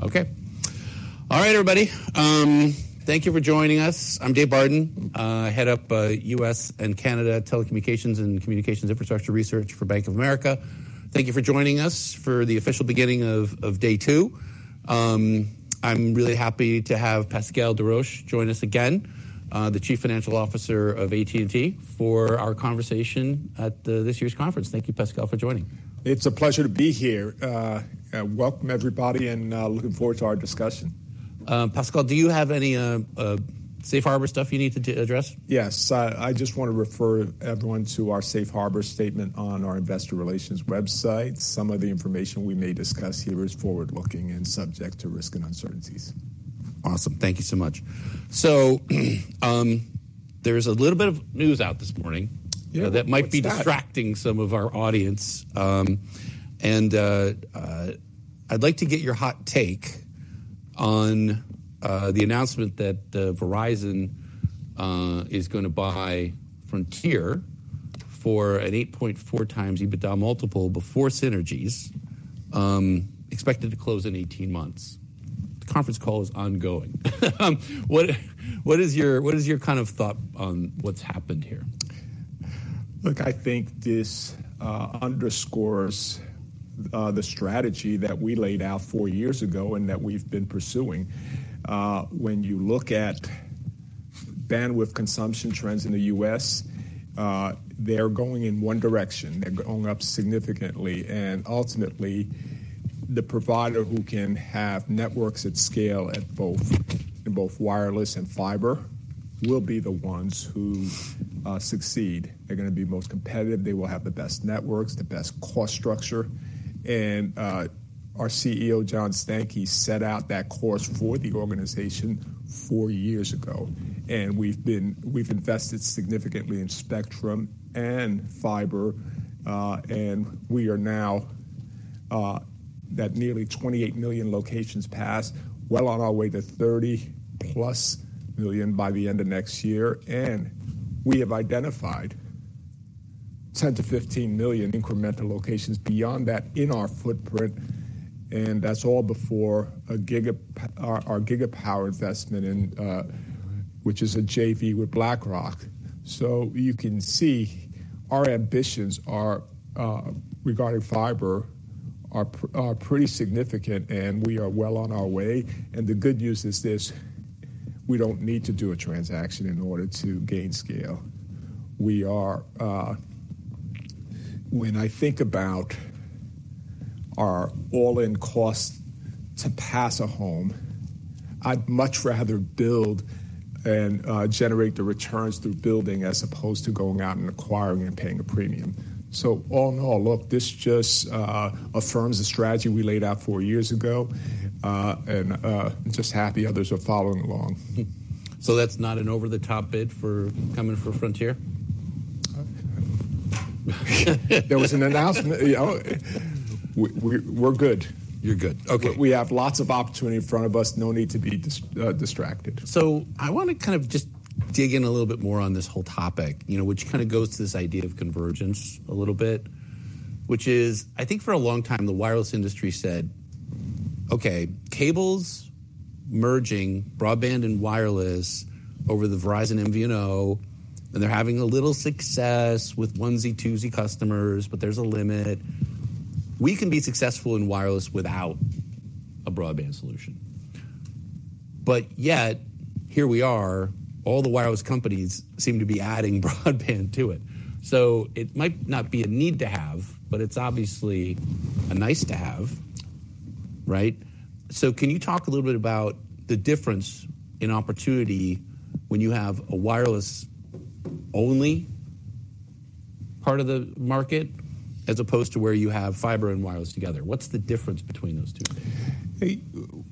Okay. All right, everybody, thank you for joining us. I'm Dave Barden. I head up U.S. and Canada Telecommunications and Communications Infrastructure Research for Bank of America. Thank you for joining us for the official beginning of day two. I'm really happy to have Pascal Desroches join us again, the Chief Financial Officer of AT&T, for our conversation at this year's conference. Thank you, Pascal, for joining. It's a pleasure to be here. Welcome everybody, and looking forward to our discussion. Pascal, do you have any safe harbor stuff you need to address? Yes. I just want to refer everyone to our safe harbor statement on our investor relations website. Some of the information we may discuss here is forward-looking and subject to risk and uncertainties. Awesome. Thank you so much. So, there's a little bit of news out this morning- Yeah. What's that? That might be distracting some of our audience. I'd like to get your hot take on the announcement that Verizon is gonna buy Frontier for an 8.4x EBITDA multiple before synergies, expected to close in 18 months. The conference call is ongoing. What is your kind of thought on what's happened here? Look, I think this underscores the strategy that we laid out four years ago and that we've been pursuing. When you look at bandwidth consumption trends in the U.S., they're going in one direction. They're going up significantly, and ultimately, the provider who can have networks at scale at both, in both wireless and fiber, will be the ones who succeed. They're gonna be most competitive. They will have the best networks, the best cost structure. Our CEO, John Stankey, set out that course for the organization four years ago, and we've invested significantly in spectrum and fiber, and we are now that nearly 28 million locations passed, well on our way to 30+ million by the end of next year, and we have identified 10 million-15million incremental locations beyond that in our footprint, and that's all before our Gigapower investment, which is a JV with BlackRock. So you can see, our ambitions regarding fiber are pretty significant, and we are well on our way. The good news is this: we don't need to do a transaction in order to gain scale. When I think about our all-in cost to pass a home, I'd much rather build and generate the returns through building, as opposed to going out and acquiring and paying a premium. So all in all, look, this just affirms the strategy we laid out four years ago, and I'm just happy others are following along. So that's not an over-the-top bid for, coming for Frontier? There was an announcement. You know, we're good. You're good. Okay. We have lots of opportunity in front of us. No need to be distracted. So I wanna kind of just dig in a little bit more on this whole topic, you know, which kind of goes to this idea of convergence a little bit, which is, I think for a long time, the wireless industry said, "Okay, cable's merging broadband and wireless over the Verizon MVNO, and they're having a little success with onesie-twosie customers, but there's a limit. We can be successful in wireless without a broadband solution." But yet, here we are. All the wireless companies seem to be adding broadband to it. So it might not be a need to have, but it's obviously a nice to have, right? So can you talk a little bit about the difference in opportunity when you have a wireless-only part of the market, as opposed to where you have fiber and wireless together? What's the difference between those two?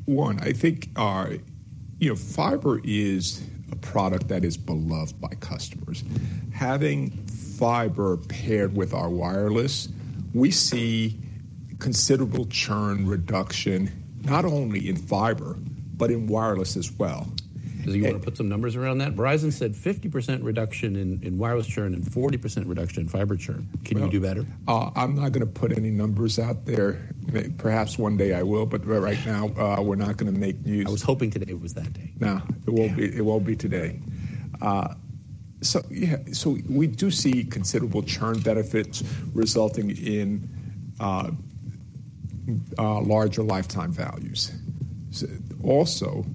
One, I think our... You know, fiber is a product that is beloved by customers. Having fiber paired with our wireless, we see considerable churn reduction, not only in fiber, but in wireless as well. Do you wanna put some numbers around that? Verizon said 50% reduction in wireless churn and 40% reduction in fiber churn. Well... Can you do better? I'm not gonna put any numbers out there. Perhaps one day I will, but right now, we're not gonna make news. I was hoping today was that day. No, it won't be... Yeah. It won't be today. So yeah, so we do see considerable churn benefits resulting in larger lifetime values. So also,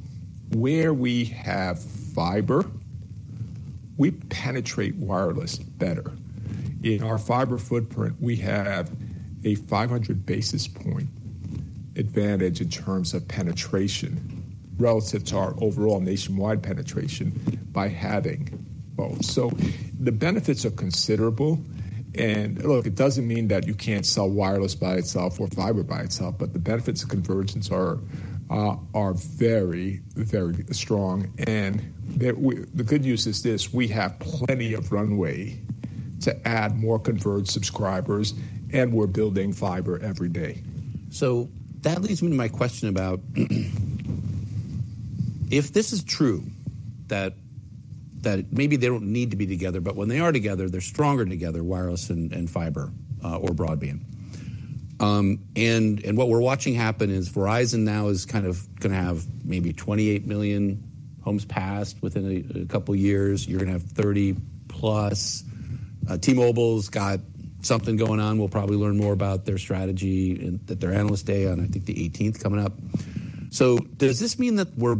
where we have fiber, we penetrate wireless better. In our fiber footprint, we have a 500 basis point advantage in terms of penetration relative to our overall nationwide penetration by having both. So the benefits are considerable, and look, it doesn't mean that you can't sell wireless by itself or fiber by itself, but the benefits of convergence are very, very strong. And the good news is this: We have plenty of runway to add more converged subscribers, and we're building fiber every day. So that leads me to my question about if this is true, that maybe they don't need to be together, but when they are together, they're stronger together, wireless and fiber or broadband. And what we're watching happen is Verizon now is kind of gonna have maybe 28 million homes passed within a couple years. You're gonna have 30+ million. T-Mobile's got something going on. We'll probably learn more about their strategy at their Analyst Day on, I think, the 18th coming up. So does this mean that we're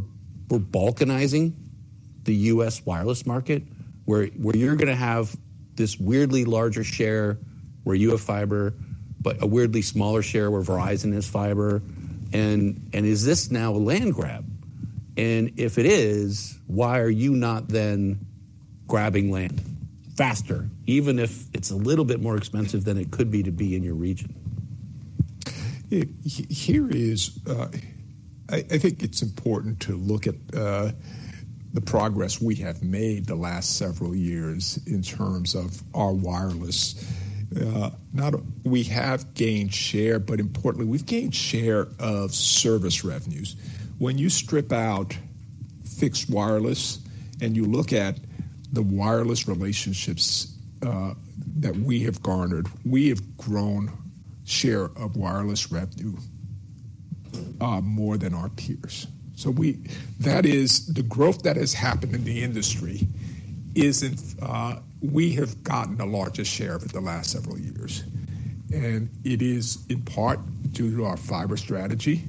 balkanizing the U.S. wireless market, where you're gonna have this weirdly larger share where you have fiber, but a weirdly smaller share where Verizon has fiber? And is this now a land grab? And if it is, why are you not then grabbing land faster, even if it's a little bit more expensive than it could be to be in your region? Here is, I think it's important to look at the progress we have made the last several years in terms of our wireless. We have gained share, but importantly, we've gained share of service revenues. When you strip out fixed wireless, and you look at the wireless relationships that we have garnered, we have grown share of wireless revenue more than our peers. That is, the growth that has happened in the industry is, we have gotten the largest share of it the last several years, and it is in part due to our fiber strategy,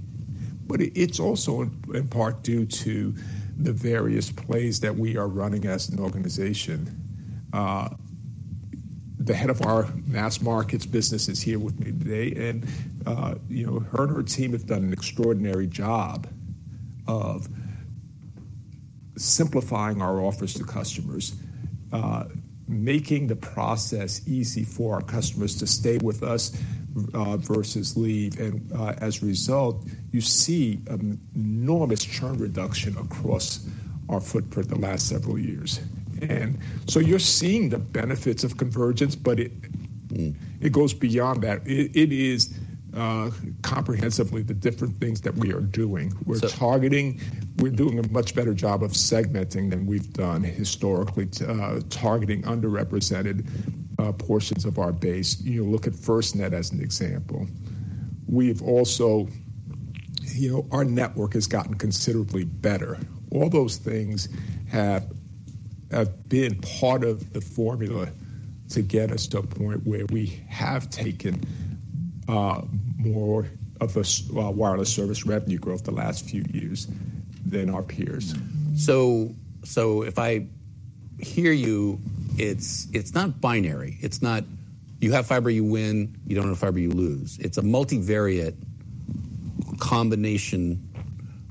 but it's also, in part due to the various plays that we are running as an organization. The head of our mass markets business is here with me today, and, you know, her and her team have done an extraordinary job of simplifying our offers to customers, making the process easy for our customers to stay with us, versus leave, and, as a result, you see an enormous churn reduction across our footprint the last several years, and so you're seeing the benefits of convergence, but it goes beyond that. It is comprehensively the different things that we are doing. We're targeting. We're doing a much better job of segmenting than we've done historically to targeting underrepresented portions of our base. You look at FirstNet as an example. We've also... You know, our network has gotten considerably better. All those things have been part of the formula to get us to a point where we have taken more of a wireless service revenue growth the last few years than our peers. So, if I hear you, it's not binary. It's not, you have fiber, you win, you don't have fiber, you lose. It's a multivariate combination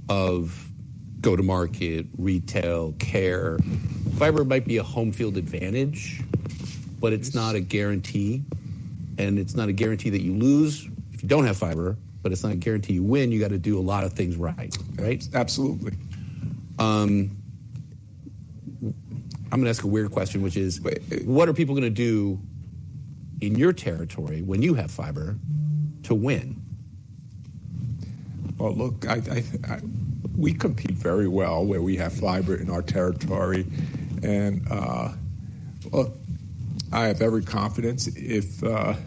of go-to-market, retail, care. Fiber might be a home field advantage but it's not a guarantee, and it's not a guarantee that you lose if you don't have fiber, but it's not a guarantee you win. You gotta do a lot of things right, right? Absolutely. I'm gonna ask a weird question, which is what are people gonna do in your territory when you have fiber to win? Look, we compete very well where we have fiber in our territory, and look, I have every confidence in our team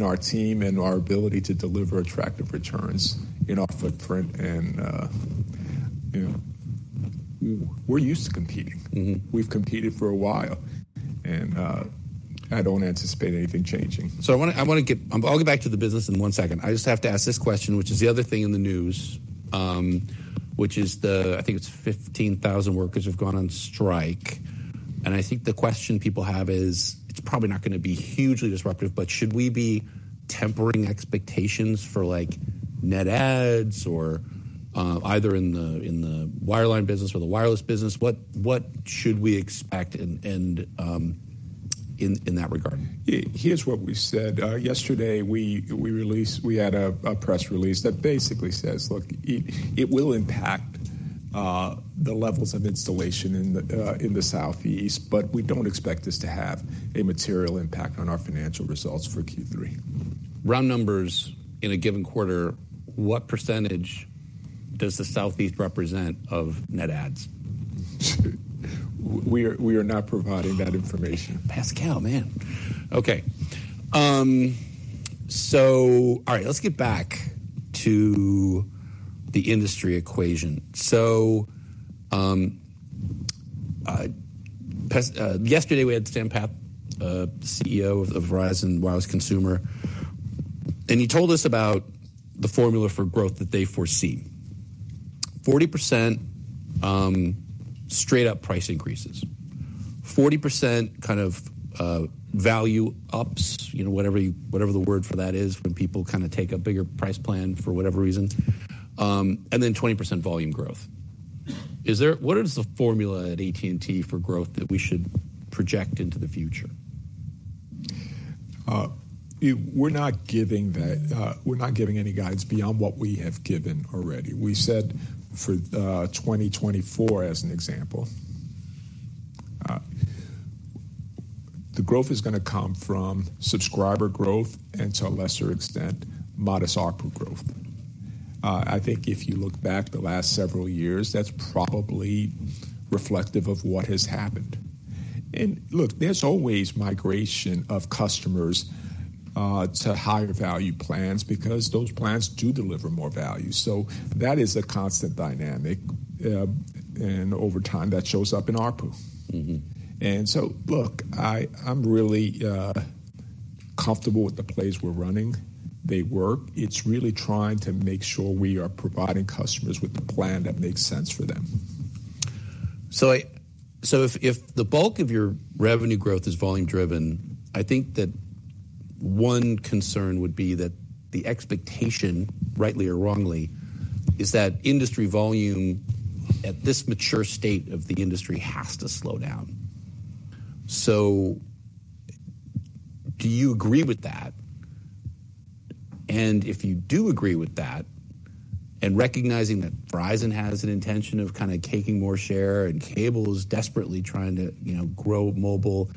and our ability to deliver attractive returns in our footprint and, you know, we're used to competing. Mm-hmm. We've competed for a while, and I don't anticipate anything changing. So I wanna get back to the business in one second. I just have to ask this question, which is the other thing in the news, which is, I think it's 15,000 workers have gone on strike, and I think the question people have is: It's probably not gonna be hugely disruptive, but should we be tempering expectations for, like, net adds or either in the wireline business or the wireless business? What should we expect in and in that regard? Here's what we said. Yesterday, we had a press release that basically says, look, it will impact the levels of installation in the Southeast, but we don't expect this to have a material impact on our financial results for Q3. Round numbers in a given quarter, what percentage does the Southeast represent of net adds? We are not providing that information. Pascal, man! Okay. All right, let's get back to the industry equation. Yesterday we had Sampath, CEO of Verizon Consumer Group, and he told us about the formula for growth that they foresee. 40% straight-up price increases, 40% kind of value ups, you know, whatever the word for that is, when people kinda take a bigger price plan for whatever reason, and then 20% volume growth. What is the formula at AT&T for growth that we should project into the future? We're not giving that, we're not giving any guidance beyond what we have given already. We said for 2024, as an example, the growth is going to come from subscriber growth, and to a lesser extent, modest ARPU growth. I think if you look back the last several years, that's probably reflective of what has happened. And look, there's always migration of customers to higher value plans because those plans do deliver more value, so that is a constant dynamic. And over time, that shows up in ARPU. Mm-hmm. Look, I'm really comfortable with the plays we're running. They work. It's really trying to make sure we are providing customers with the plan that makes sense for them. So if the bulk of your revenue growth is volume-driven, I think that one concern would be that the expectation, rightly or wrongly, is that industry volume at this mature state of the industry has to slow down. So do you agree with that? And if you do agree with that, and recognizing that Verizon has an intention of kind of taking more share, and cable is desperately trying to, you know, grow mobile,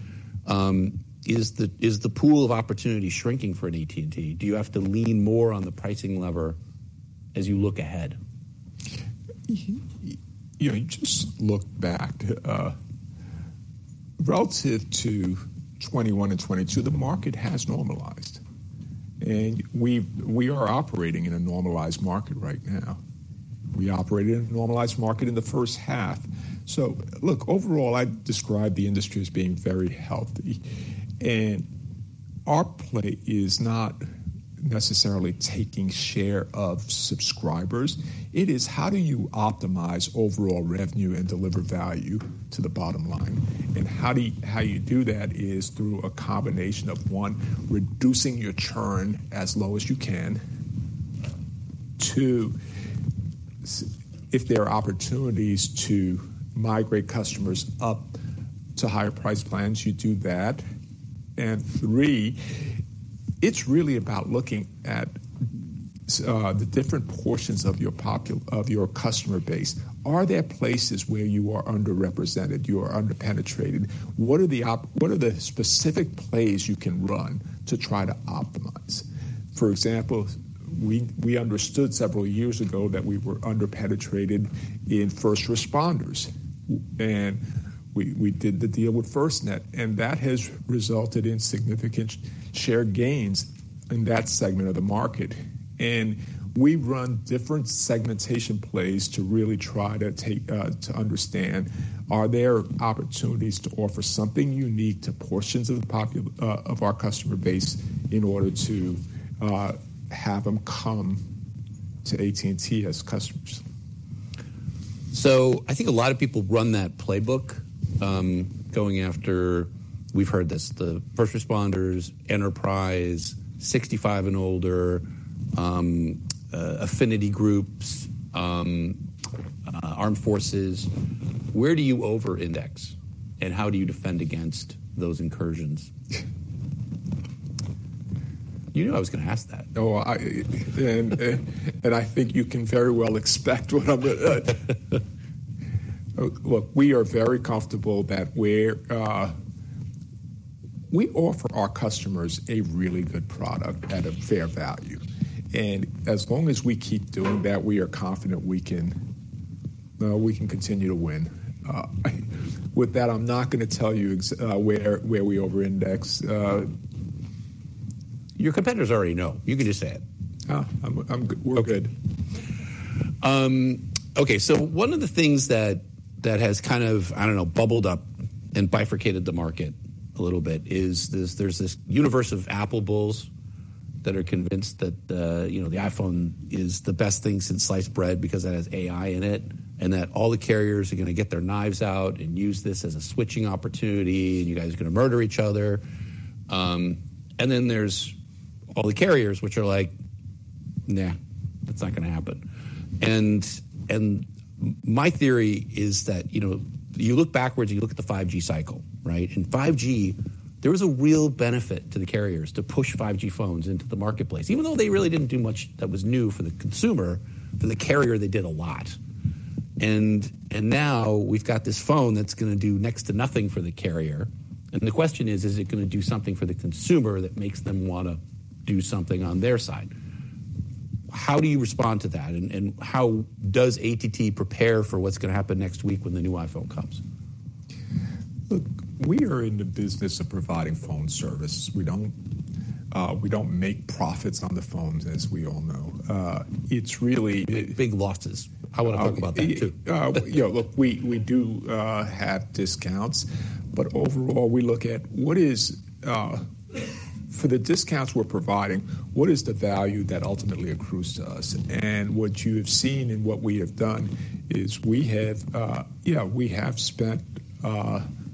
is the pool of opportunity shrinking for an AT&T? Do you have to lean more on the pricing lever as you look ahead? You know, you just look back relative to 2021 and 2022, the market has normalized, and we are operating in a normalized market right now. We operated in a normalized market in the first half. Look, overall, I'd describe the industry as being very healthy, and our play is not necessarily taking share of subscribers. It is, how do you optimize overall revenue and deliver value to the bottom line? And how do you do that is through a combination of, one, reducing your churn as low as you can. Two, if there are opportunities to migrate customers up to higher price plans, you do that. And three, it's really about looking at the different portions of your population of your customer base. Are there places where you are underrepresented, you are under-penetrated? What are the specific plays you can run to try to optimize? For example, we understood several years ago that we were under-penetrated in first responders, and we did the deal with FirstNet, and that has resulted in significant share gains in that segment of the market. We've run different segmentation plays to really try to take to understand, are there opportunities to offer something unique to portions of the population of our customer base in order to have them come to AT&T as customers. So I think a lot of people run that playbook, going after, we've heard this, the first responders, enterprise, 65 and older, affinity groups, armed forces. Where do you over-index, and how do you defend against those incursions? You knew I was going to ask that. Oh, and I think you can very well expect what I'm... Look, we are very comfortable that we offer our customers a really good product at a fair value, and as long as we keep doing that, we are confident we can continue to win. With that, I'm not gonna tell you where we over-index. Your competitors already know. You can just say it. Oh, we're good. Okay, so one of the things that has kind of, I don't know, bubbled up and bifurcated the market a little bit is this. There's this universe of Apple bulls that are convinced that, you know, the iPhone is the best thing since sliced bread because it has AI in it, and that all the carriers are gonna get their knives out and use this as a switching opportunity, and you guys are gonna murder each other. And then there's all the carriers, which are like, "Nah, that's not gonna happen." And my theory is that, you know, you look backwards, you look at the 5G cycle, right? In 5G, there was a real benefit to the carriers to push 5G phones into the marketplace, even though they really didn't do much that was new for the consumer. For the carrier, they did a lot, and now we've got this phone that's gonna do next to nothing for the carrier, and the question is: Is it gonna do something for the consumer that makes them wanna do something on their side? How do you respond to that, and how does AT&T prepare for what's gonna happen next week when the new iPhone comes? Look, we are in the business of providing phone service. We don't make profits on the phones, as we all know. It's really... Big losses. I want to talk about that, too. Yeah, look, we do have discounts, but overall, we look at what is. For the discounts we're providing, what is the value that ultimately accrues to us? And what you have seen and what we have done is we have spent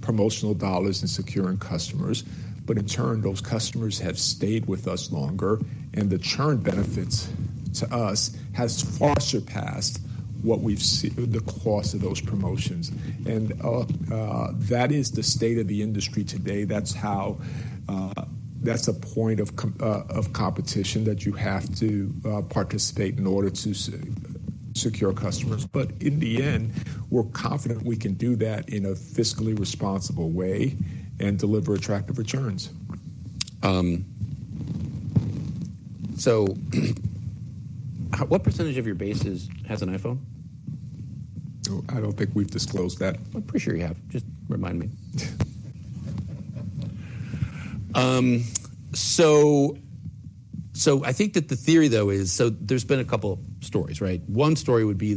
promotional dollars in securing customers, but in turn, those customers have stayed with us longer, and the churn benefits to us has far surpassed the cost of those promotions. And that is the state of the industry today. That's how, that's a point of competition that you have to participate in order to secure customers. But in the end, we're confident we can do that in a fiscally responsible way and deliver attractive returns. So what percentage of your base has an iPhone? I don't think we've disclosed that. I'm pretty sure you have. Just remind me. So, I think that the theory, though, is so there's been a couple stories, right? One story would be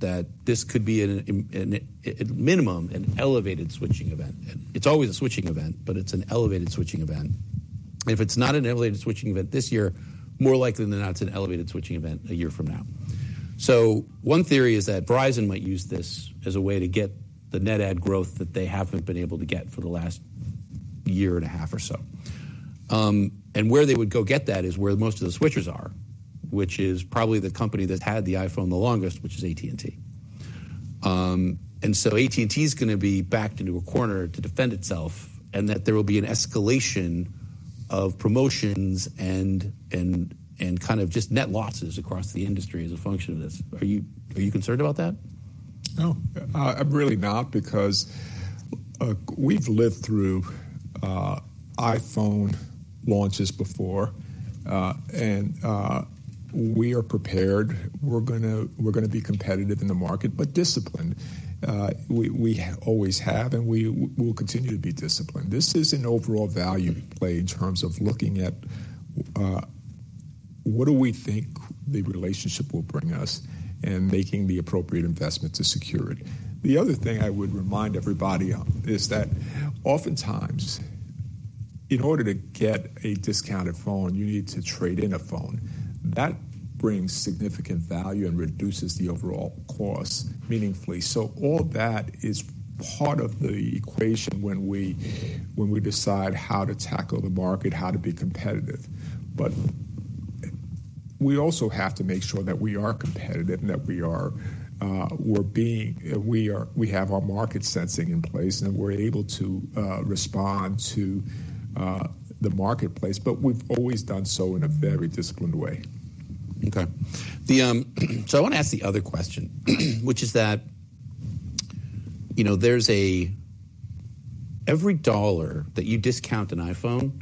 that this could be, at minimum, an elevated switching event. It's always a switching event, but it's an elevated switching event. If it's not an elevated switching event this year, more likely than not, it's an elevated switching event a year from now. So one theory is that Verizon might use this as a way to get the net add growth that they haven't been able to get for the last year and a half or so. And where they would go get that is where most of the switchers are, which is probably the company that had the iPhone the longest, which is AT&T. And so AT&T is gonna be backed into a corner to defend itself, and that there will be an escalation of promotions and kind of just net losses across the industry as a function of this. Are you concerned about that? No, I'm really not, because we've lived through iPhone launches before and we are prepared. We're gonna be competitive in the market, but disciplined. We always have, and we will continue to be disciplined. This is an overall value play in terms of looking at what do we think the relationship will bring us and making the appropriate investment to secure it. The other thing I would remind everybody of is that oftentimes, in order to get a discounted phone, you need to trade in a phone. That brings significant value and reduces the overall cost meaningfully. So all that is part of the equation when we decide how to tackle the market, how to be competitive. But we also have to make sure that we are competitive and that we have our market sensing in place, and we're able to respond to the marketplace, but we've always done so in a very disciplined way. Okay. The, so I want to ask the other question, which is that, you know, there's a-- every dollar that you discount an iPhone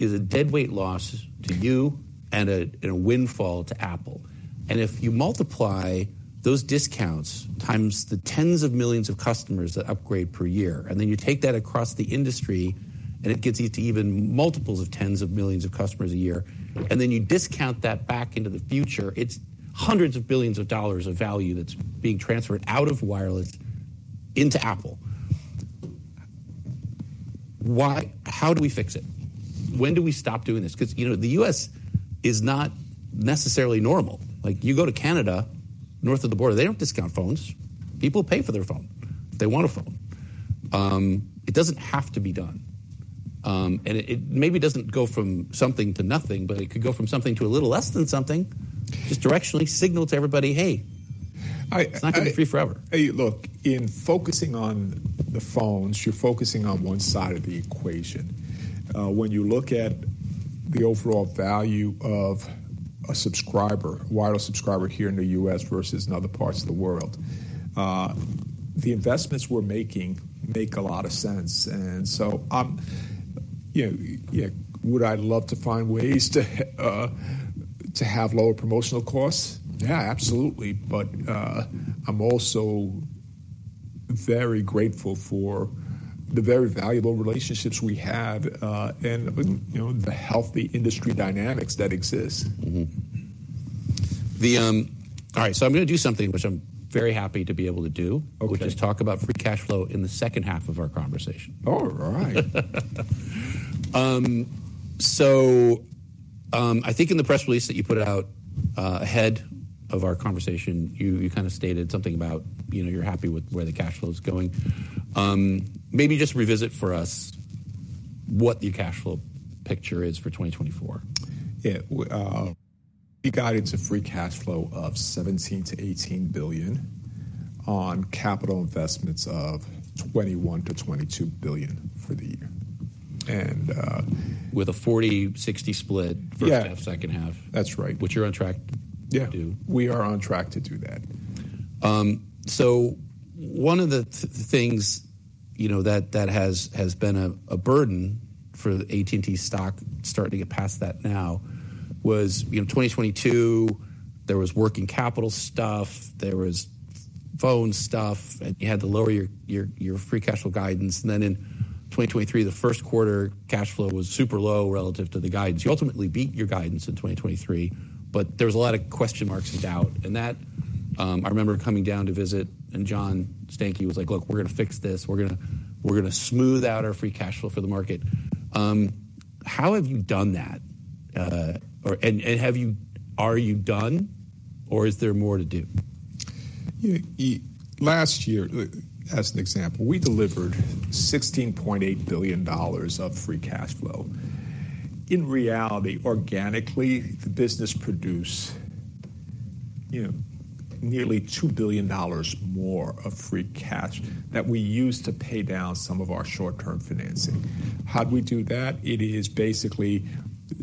is a deadweight loss to you and a, and a windfall to Apple. And if you multiply those discounts times the tens of millions of customers that upgrade per year, and then you take that across the industry, and it gets you to even multiples of tens of millions of customers a year, and then you discount that back into the future, it's hundreds of billions of dollars of value that's being transferred out of wireless into Apple. Why-- How do we fix it? When do we stop doing this? Because, you know, the U.S. is not necessarily normal. Like, you go to Canada, north of the border, they don't discount phones. People pay for their phone. They want a phone. It doesn't have to be done, and it maybe doesn't go from something to nothing, but it could go from something to a little less than something. Just directionally signal to everybody, "Hey... I... It's not gonna be free forever. Hey, look, in focusing on the phones, you're focusing on one side of the equation. When you look at the overall value of a subscriber, a wireless subscriber here in the U.S. versus in other parts of the world, the investments we're making make a lot of sense, and so, you know, would I love to find ways to have lower promotional costs? Yeah, absolutely. But, I'm also very grateful for the very valuable relationships we have, and, you know, the healthy industry dynamics that exist. Mm-hmm. All right, so I'm gonna do something, which I'm very happy to be able to do.. Okay. Which is to talk about free cash flow in the second half of our conversation. All right. I think in the press release that you put out ahead of our conversation, you kind of stated something about, you know, you're happy with where the cash flow is going. Maybe just revisit for us what the cash flow picture is for 2024. Yeah, we guided to free cash flow of $17 billion-$18 billion on capital investments of $21 billion-$22 billion for the year. And With a 40-60 split- Yeah First half, second half. That's right. Which you're on track- Yeah -to do. We are on track to do that. So one of the things, you know, that has been a burden for the AT&T stock, starting to get past that now, was, you know, 2022, there was working capital stuff, there was phone stuff, and you had to lower your free cash flow guidance. And then in 2023, the first quarter, cash flow was super low relative to the guidance. You ultimately beat your guidance in 2023, but there was a lot of question marks and doubt, and that I remember coming down to visit, and John Stankey was like: "Look, we're gonna fix this. We're gonna smooth out our free cash flow for the market." How have you done that? Or are you done, or is there more to do? Yeah, last year, as an example, we delivered $16.8 billion of free cash flow. In reality, organically, the business produced, you know, nearly $2 billion more of free cash that we used to pay down some of our short-term financing. How do we do that? It is basically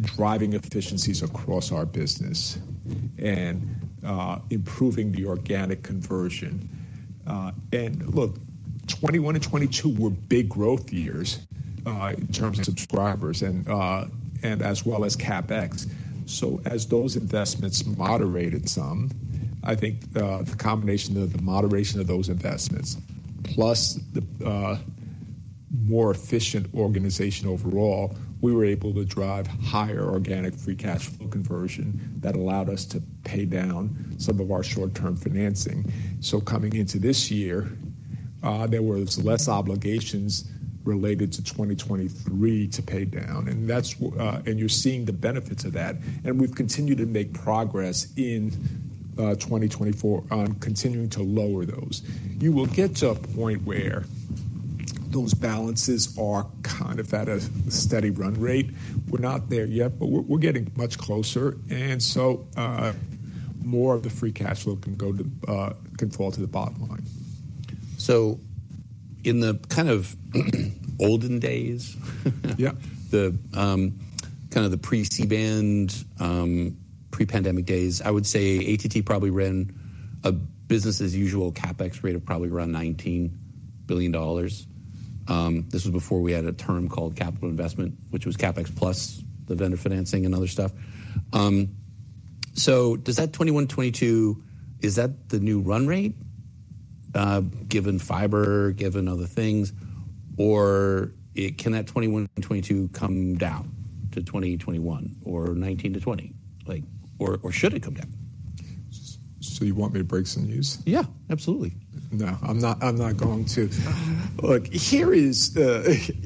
driving efficiencies across our business and improving the organic conversion. And look, 2021 and 2022 were big growth years in terms of subscribers and as well as CapEx. So as those investments moderated some, I think the combination of the moderation of those investments plus the more efficient organization overall, we were able to drive higher organic free cash flow conversion that allowed us to pay down some of our short-term financing. Coming into this year, there was less obligations related to 2023 to pay down, and that's, and you're seeing the benefits of that, and we've continued to make progress in 2024 on continuing to lower those. You will get to a point where those balances are kind of at a steady run rate. We're not there yet, but we're getting much closer, and so, more of the free cash flow can fall to the bottom line. So in the kind of olden days, Yeah. The kind of the pre-C-band, pre-pandemic days, I would say AT&T probably ran a business-as-usual CapEx rate of probably around $19 billion. This was before we added a term called capital investment, which was CapEx plus the vendor financing and other stuff. So does that $21 billion, $22 billion, is that the new run rate, given fiber, given other things, or can that $21 billion and $22 billion come down to $20 billion-$21 billion or $19 billion-$20 billion? Like, or should it come down? So you want me to break some news? Yeah, absolutely. No, I'm not, I'm not going to. Look, here's the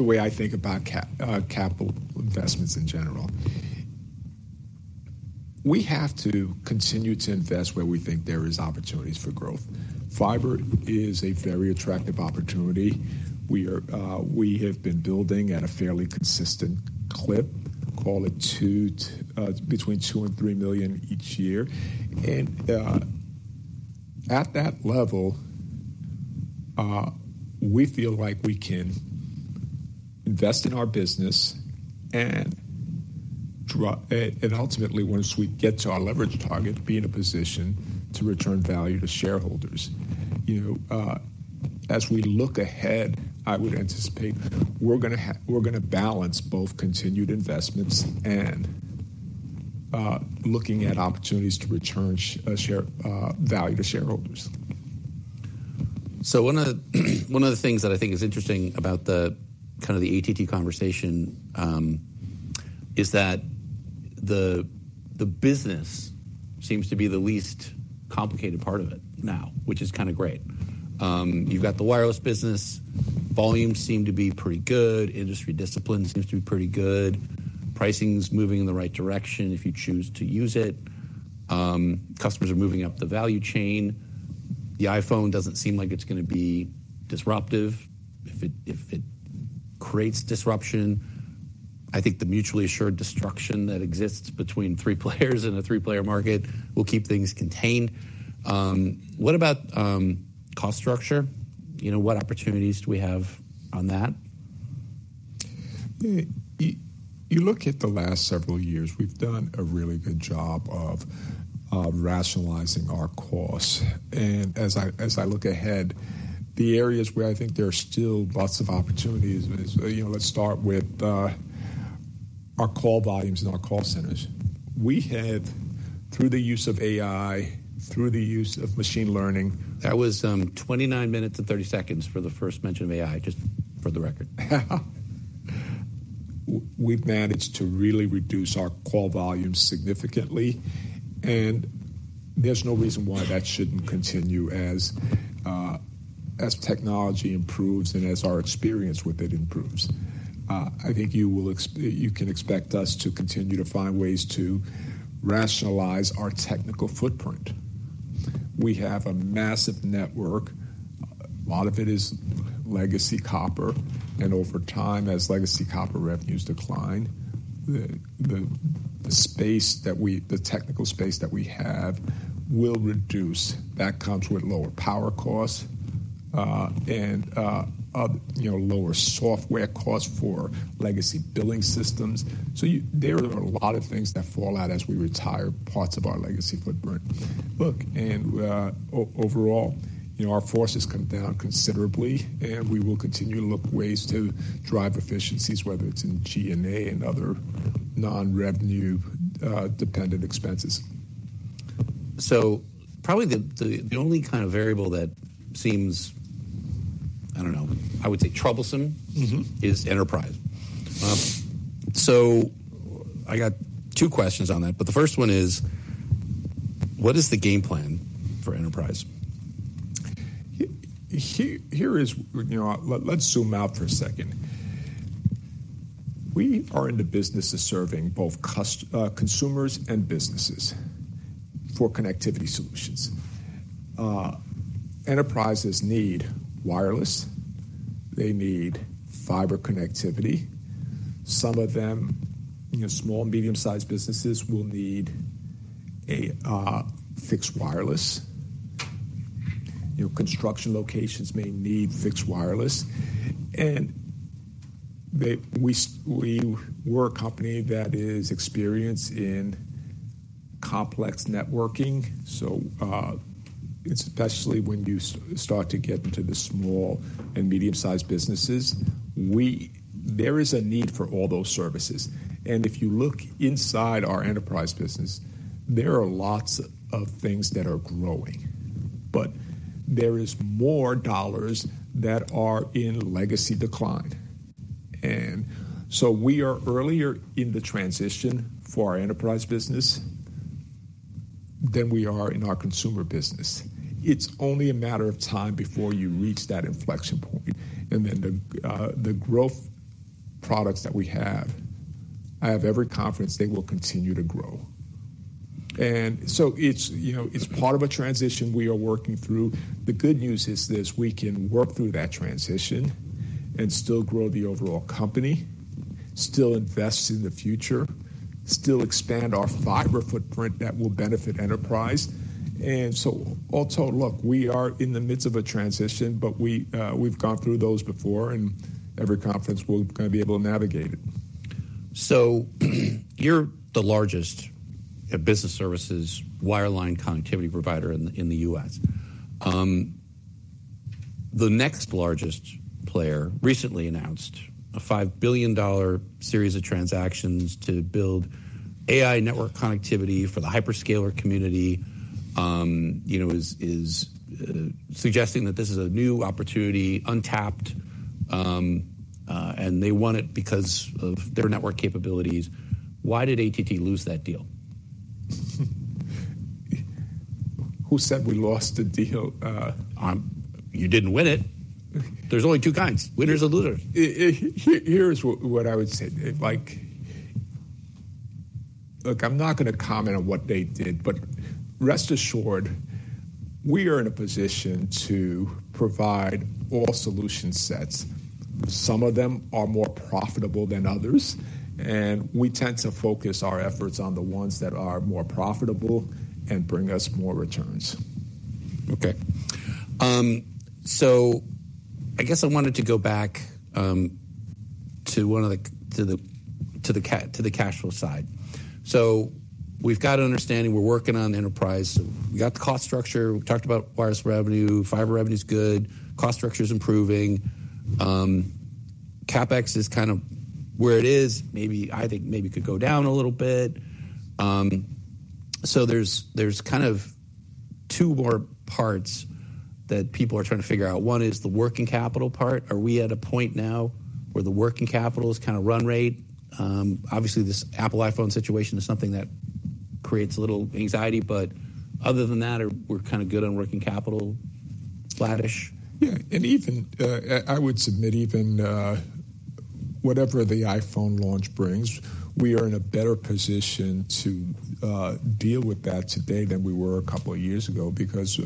way I think about capital investments in general. We have to continue to invest where we think there is opportunities for growth. Fiber is a very attractive opportunity. We are, we have been building at a fairly consistent clip, call it two, between $2 million and $3 million each year. And, at that level, we feel like we can invest in our business and ultimately, once we get to our leverage target, be in a position to return value to shareholders. You know, as we look ahead, I would anticipate we're gonna balance both continued investments and, looking at opportunities to return share value to shareholders. So one of the things that I think is interesting about the kind of AT&T conversation is that the business seems to be the least complicated part of it now, which is kinda great. You've got the wireless business. Volumes seem to be pretty good. Industry discipline seems to be pretty good. Pricing's moving in the right direction if you choose to use it. Customers are moving up the value chain. The iPhone doesn't seem like it's gonna be disruptive. If it creates disruption, I think the mutually assured destruction that exists between three players in a three-player market will keep things contained. What about cost structure? You know, what opportunities do we have on that? You look at the last several years. We've done a really good job of rationalizing our costs, and as I look ahead, the areas where I think there are still lots of opportunities, you know. Let's start with our call volumes in our call centers. We have, through the use of AI, through the use of machine learning. That was 29 minutes and 30 seconds for the first mention of AI, just for the record. We've managed to really reduce our call volume significantly, and there's no reason why that shouldn't continue as technology improves and as our experience with it improves. I think you can expect us to continue to find ways to rationalize our technical footprint. We have a massive network. A lot of it is legacy copper, and over time, as legacy copper revenues decline, the technical space that we have will reduce. That comes with lower power costs, and you know, lower software costs for legacy billing systems. So there are a lot of things that fall out as we retire parts of our legacy footprint. Look, and overall, you know, our costs come down considerably, and we will continue to look at ways to drive efficiencies, whether it's in G&A and other non-revenue dependent expenses. So probably the only kind of variable that seems, I don't know, I would say troublesome... Mm-hmm. Is enterprise. So I got two questions on that, but the first one is: what is the game plan for enterprise? You know, let's zoom out for a second. We are in the business of serving both consumers and businesses for connectivity solutions. Enterprises need wireless. They need fiber connectivity. Some of them, you know, small and medium-sized businesses, will need a fixed wireless. You know, construction locations may need fixed wireless, and we're a company that is experienced in complex networking. So, especially when you start to get into the small and medium-sized businesses, there is a need for all those services. And if you look inside our enterprise business, there are lots of things that are growing, but there is more dollars that are in legacy decline. And so we are earlier in the transition for our enterprise business than we are in our consumer business. It's only a matter of time before you reach that inflection point, and then the growth products that we have. I have every confidence they will continue to grow. And so it's, you know, it's part of a transition we are working through. The good news is this: we can work through that transition and still grow the overall company, still invest in the future, still expand our fiber footprint that will benefit enterprise. And so all told, look, we are in the midst of a transition, but we, we've gone through those before, and every confidence we're gonna be able to navigate it. So you're the largest business services wireline connectivity provider in the U.S. The next largest player recently announced a $5 billion series of transactions to build AI network connectivity for the hyperscaler community. You know, is suggesting that this is a new opportunity, untapped, and they want it because of their network capabilities. Why did AT&T lose that deal? Who said we lost the deal? You didn't win it. There's only two kinds, winners or losers. Here is what I would say. Like... Look, I'm not gonna comment on what they did, but rest assured, we are in a position to provide all solution sets. Some of them are more profitable than others, and we tend to focus our efforts on the ones that are more profitable and bring us more returns. Okay. So I guess I wanted to go back to the cash flow side. So we've got an understanding, we're working on enterprise. We've got the cost structure. We've talked about wireless revenue, fiber revenue is good, cost structure is improving. CapEx is kind of where it is. Maybe, I think maybe it could go down a little bit. So there's kind of two more parts that people are trying to figure out. One is the working capital part. Are we at a point now where the working capital is kind of run rate? Obviously, this Apple iPhone situation is something that creates a little anxiety, but other than that, are we kind of good on working capital, flattish? Yeah, and even, I would submit even, whatever the iPhone launch brings, we are in a better position to deal with that today than we were a couple of years ago because,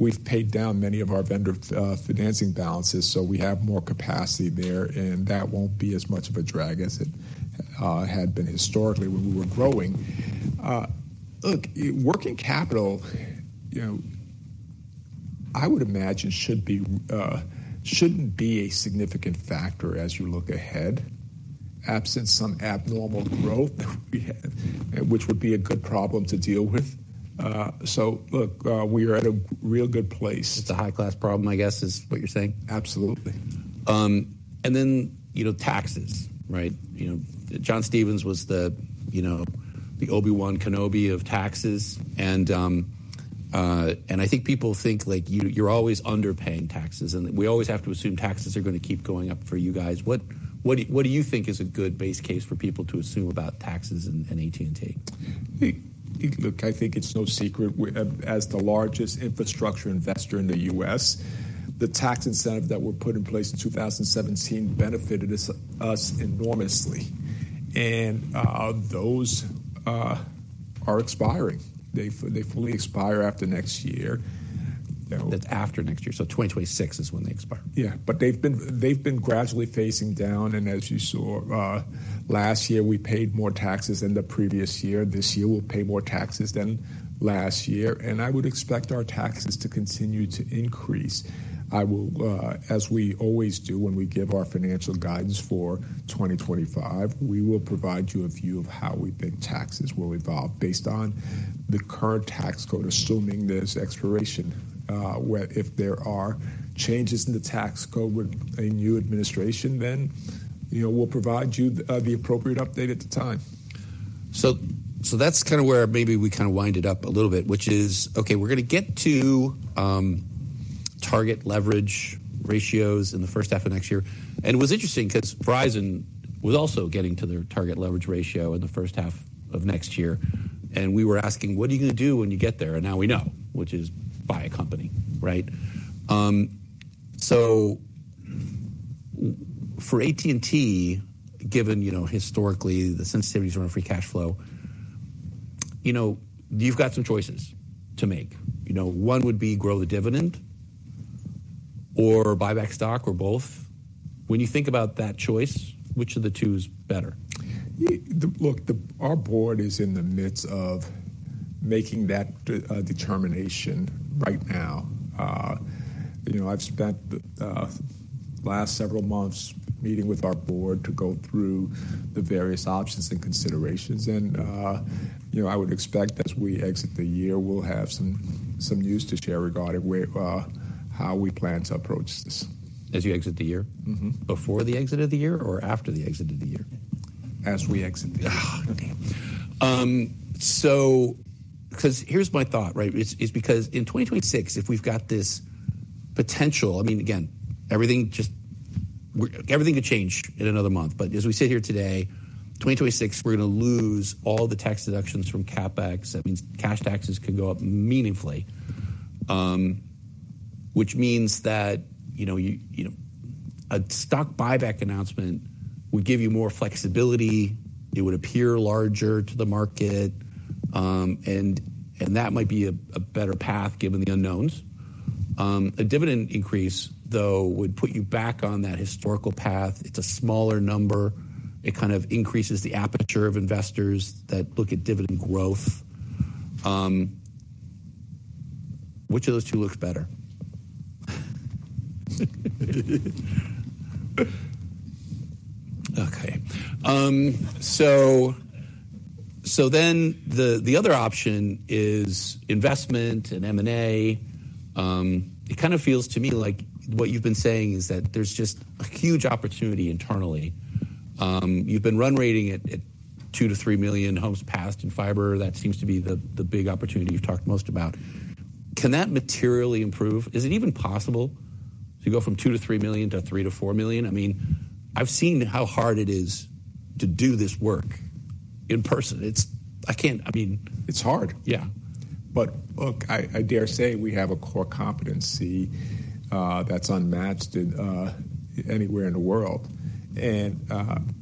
we've paid down many of our vendor financing balances, so we have more capacity there, and that won't be as much of a drag as it had been historically when we were growing. Look, working capital, you know, I would imagine, should be, shouldn't be a significant factor as you look ahead, absent some abnormal growth we had, which would be a good problem to deal with. So look, we are at a real good place. It's a high-class problem, I guess, is what you're saying? Absolutely. And then, you know, taxes, right? You know, John Stephens was the, you know, the Obi-Wan Kenobi of taxes, and I think people think, like, you're always underpaying taxes, and we always have to assume taxes are gonna keep going up for you guys. What do you think is a good base case for people to assume about taxes and AT&T? Look, I think it's no secret, we, as the largest infrastructure investor in the U.S., the tax incentives that were put in place in 2017 benefited us enormously, and those are expiring. They fully expire after next year. That's after next year. So 2026 is when they expire? Yeah, but they've been gradually phasing down, and as you saw, last year, we paid more taxes than the previous year. This year, we'll pay more taxes than last year, and I would expect our taxes to continue to increase. I will, as we always do, when we give our financial guidance for 2025, we will provide you a view of how we think taxes will evolve based on the current tax code, assuming this expiration. Where if there are changes in the tax code with a new administration, then, you know, we'll provide you the appropriate update at the time. So that's kind of where maybe we kind of wind it up a little bit, which is, okay, we're gonna get to target leverage ratios in the first half of next year. And what's interesting, 'cause Verizon was also getting to their target leverage ratio in the first half of next year, and we were asking: What are you gonna do when you get there? And now we know, which is buy a company, right? So for AT&T, given, you know, historically, the sensitivities around free cash flow, you know, you've got some choices to make. You know, one would be grow the dividend or buy back stock or both. When you think about that choice, which of the two is better? Yeah, look, our board is in the midst of making that determination right now. You know, I've spent the last several months meeting with our board to go through the various options and considerations. And, you know, I would expect as we exit the year, we'll have some news to share regarding where, how we plan to approach this. As you exit the year? Mm-hmm. Before the end of the year or after the end of the year? As we exit the year. Ah, damn! So, because here's my thought, right? It's because in 2026, if we've got this potential. I mean, again, everything could change in another month. But as we sit here today, 2026, we're going to lose all the tax deductions from CapEx. That means cash taxes could go up meaningfully, which means that, you know, you know, a stock buyback announcement would give you more flexibility. It would appear larger to the market, and that might be a better path given the unknowns. A dividend increase, though, would put you back on that historical path. It's a smaller number. It kind of increases the aperture of investors that look at dividend growth. Which of those two looks better? Okay. So then the other option is investment and M&A. It kind of feels to me like what you've been saying is that there's just a huge opportunity internally. You've been run rating at two to three million homes passed in fiber. That seems to be the big opportunity you've talked most about. Can that materially improve? Is it even possible to go from two to three million to three to four million? I mean, I've seen how hard it is to do this work in person. It's... I can't—I mean— It's hard. Yeah. But look, I dare say we have a core competency that's unmatched anywhere in the world, and I'm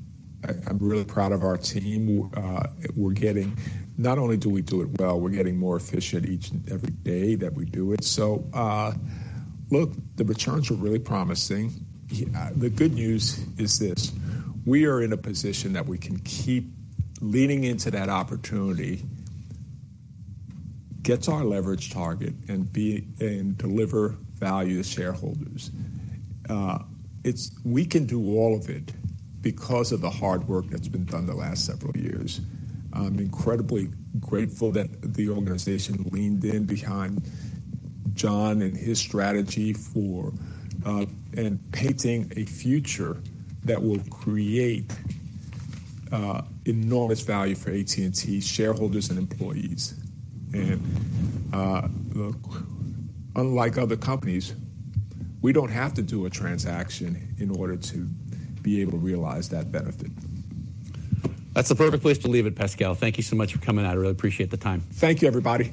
really proud of our team. Not only do we do it well, we're getting more efficient each and every day that we do it. So, look, the returns are really promising. The good news is this: We are in a position that we can keep leaning into that opportunity, get to our leverage target, and deliver value to shareholders. It's. We can do all of it because of the hard work that's been done the last several years. I'm incredibly grateful that the organization leaned in behind John and his strategy for and painting a future that will create enormous value for AT&T shareholders and employees. And, look, unlike other companies, we don't have to do a transaction in order to be able to realize that benefit. That's the perfect place to leave it, Pascal. Thank you so much for coming out. I really appreciate the time. Thank you, everybody.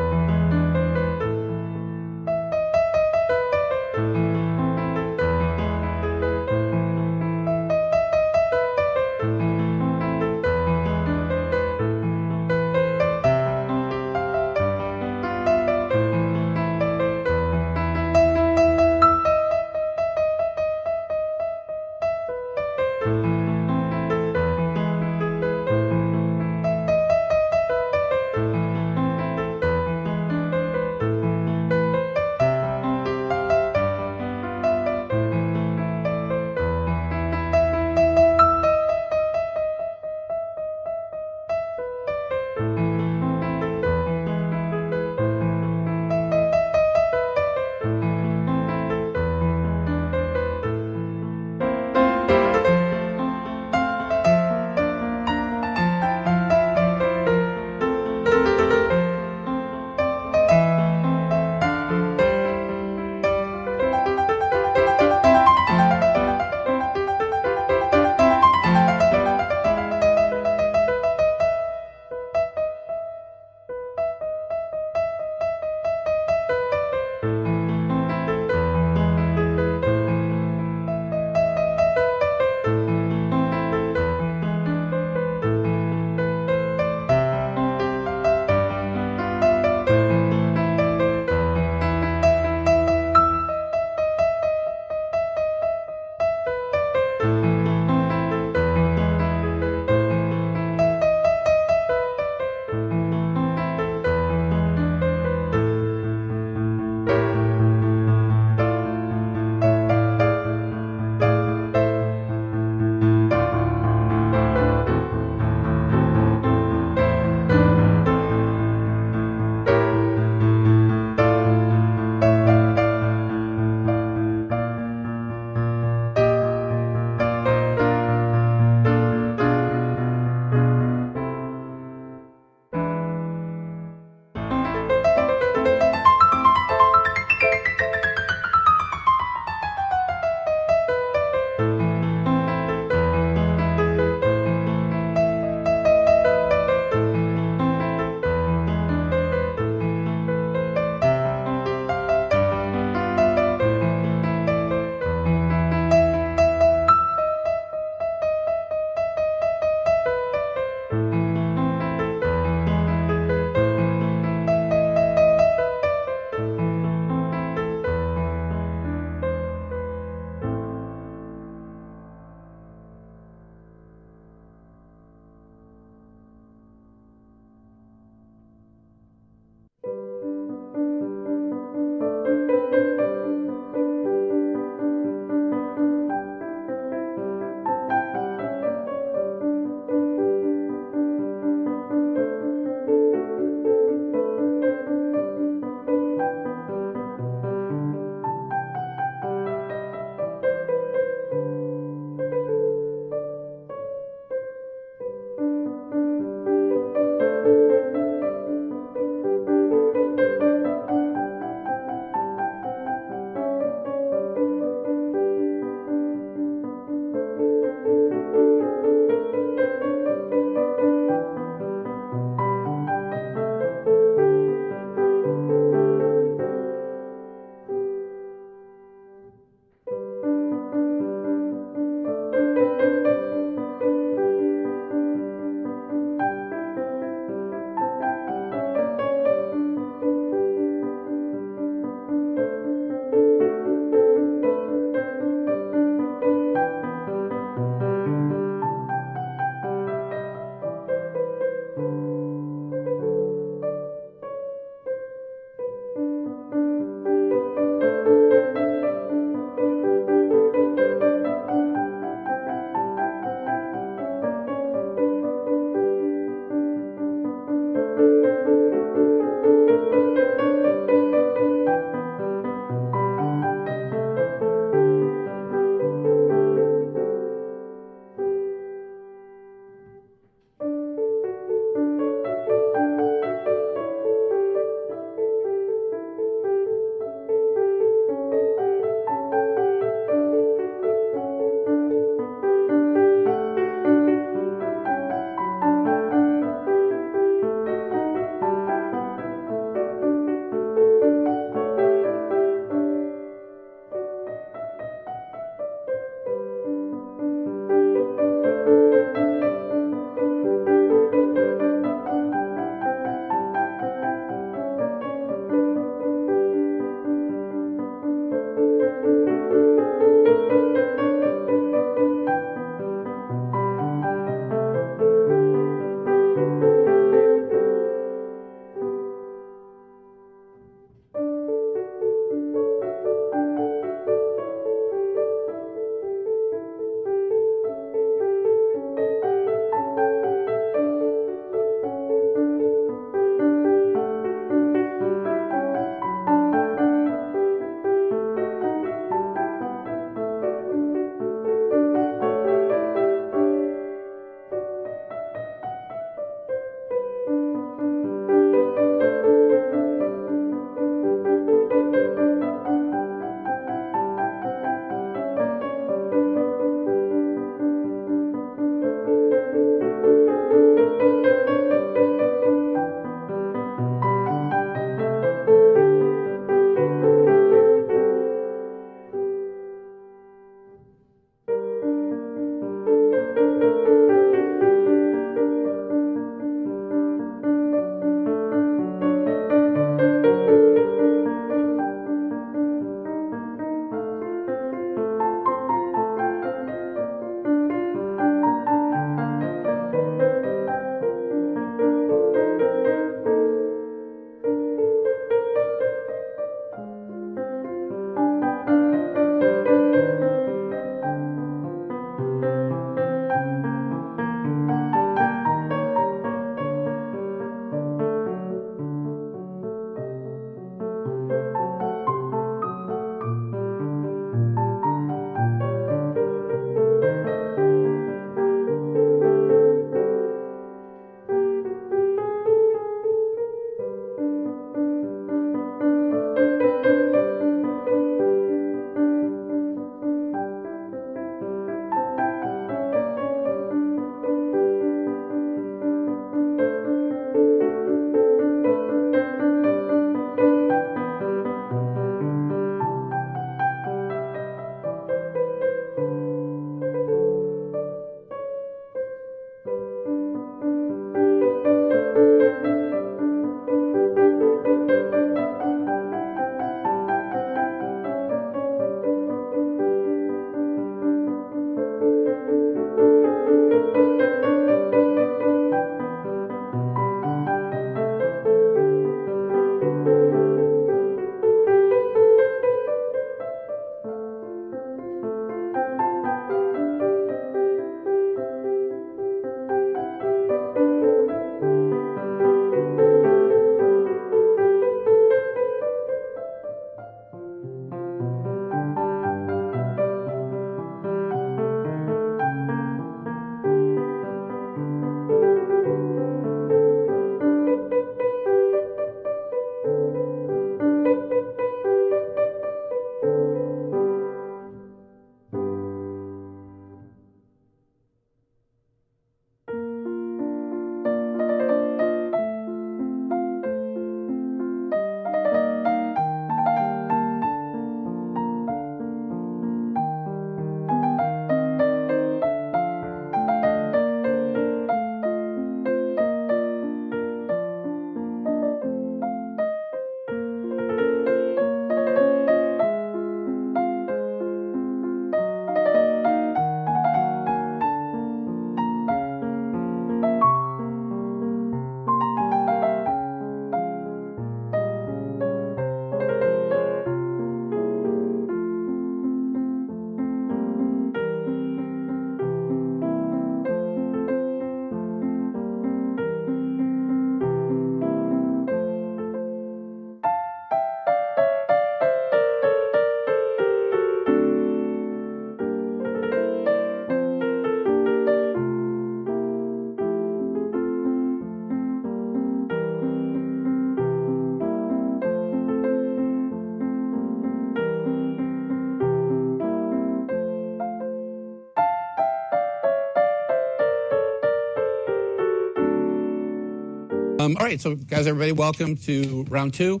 All right, so guys, everybody, welcome to round two.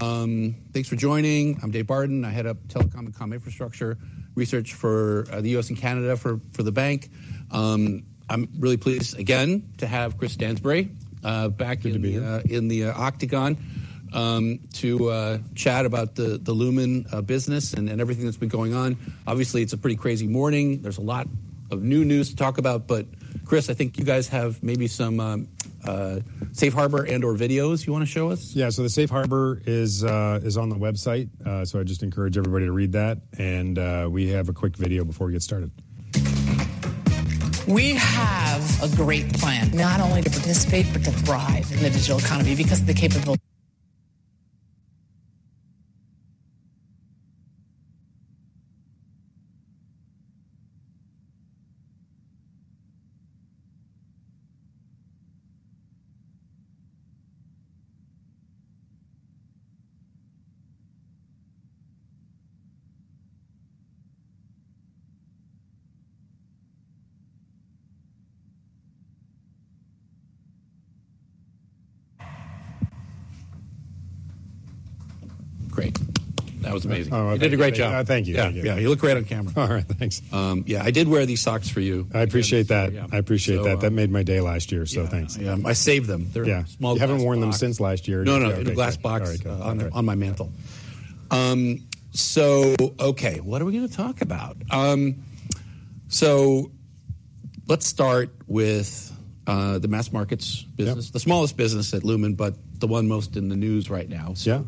Thanks for joining. I'm Dave Barden. I head up telecom and comm infrastructure research for the U.S. and Canada for the bank. I'm really pleased again to have Chris Stansbury back- Good to be here. In the octagon to chat about the Lumen business and everything that's been going on. Obviously, it's a pretty crazy morning. There's a lot of new news to talk about, but Chris, I think you guys have maybe some safe harbor and/or videos you want to show us? Yeah. So the safe harbor is on the website, so I just encourage everybody to read that, and we have a quick video before we get started. We have a great plan not only to participate but to thrive in the digital economy because of the capability. Great. That was amazing. Oh, thank you. You did a great job. Thank you. Thank you. Yeah. Yeah, you look great on camera. All right. Thanks. Yeah, I did wear these socks for you. I appreciate that. Yeah. I appreciate that. So- That made my day last year, so thanks. Yeah. Yeah. I saved them. Yeah. They're small glass box. You haven't worn them since last year? No, no. Okay. Glass box- All right On my mantle. So okay, what are we gonna talk about? So let's start with the mass markets business. Yeah. The smallest business at Lumen, but the one most in the news right now. Yeah.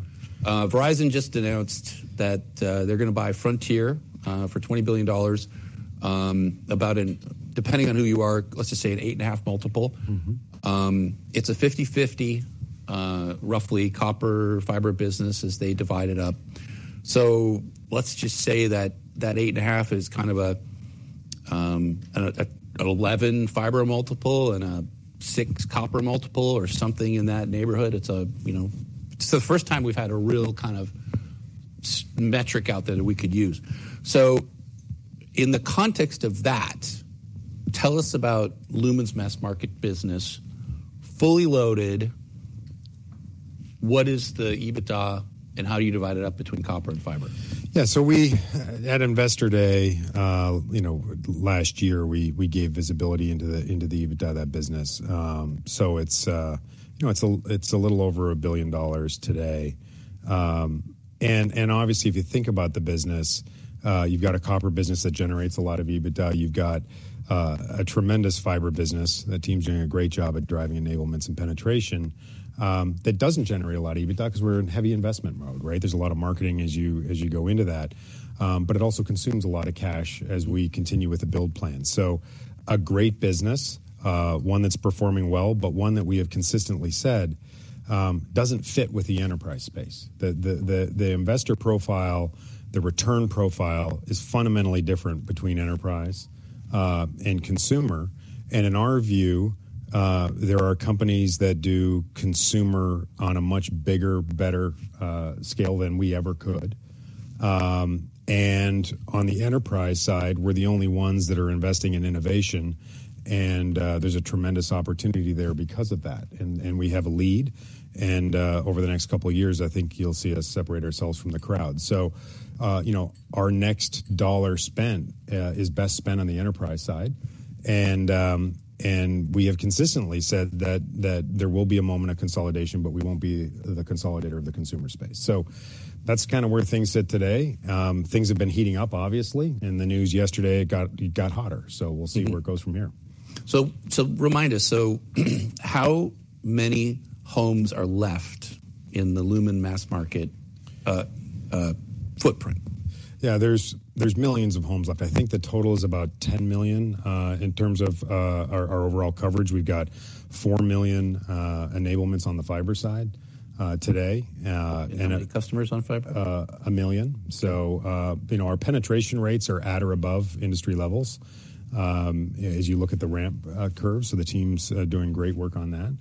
Verizon just announced that they're gonna buy Frontier for $20 billion. Depending on who you are, let's just say an 8.5x. Mm-hmm. It's a 50/50, roughly copper fiber business as they divide it up. So let's just say that eight and a half is kind of a 11 fiber multiple and a six copper multiple or something in that neighborhood. It's, you know, the first time we've had a real kind of some metric out there that we could use. So in the context of that, tell us about Lumen's mass market business, fully loaded, what is the EBITDA, and how do you divide it up between copper and fiber? Yeah, so we, at Investor Day, you know, last year, we gave visibility into the EBITDA of that business. So it's, you know, it's a little over $1 billion today. And obviously, if you think about the business, you've got a copper business that generates a lot of EBITDA. You've got a tremendous fiber business. The team's doing a great job at driving enablements and penetration, that doesn't generate a lot of EBITDA 'cause we're in heavy investment mode, right? There's a lot of marketing as you go into that, but it also consumes a lot of cash as we continue with the build plan. So a great business, one that's performing well, but one that we have consistently said, doesn't fit with the enterprise space. The investor profile, the return profile is fundamentally different between enterprise and consumer, and in our view, there are companies that do consumer on a much bigger, better scale than we ever could. And on the enterprise side, we're the only ones that are investing in innovation, and there's a tremendous opportunity there because of that, and we have a lead, and over the next couple of years, I think you'll see us separate ourselves from the crowd. You know, our next dollar spend is best spent on the enterprise side, and we have consistently said that there will be a moment of consolidation, but we won't be the consolidator of the consumer space. That's kind of where things sit today. Things have been heating up, obviously, and the news yesterday. It got hotter, so we'll- Mm-hmm See where it goes from here. Remind us, how many homes are left in the Lumen mass market footprint? Yeah, there's millions of homes left. I think the total is about 10 million. In terms of our overall coverage, we've got 4 million enablements on the fiber side today, and a- How many customers on fiber? 1 million. So, you know, our penetration rates are at or above industry levels, as you look at the ramp curve, so the team's doing great work on that.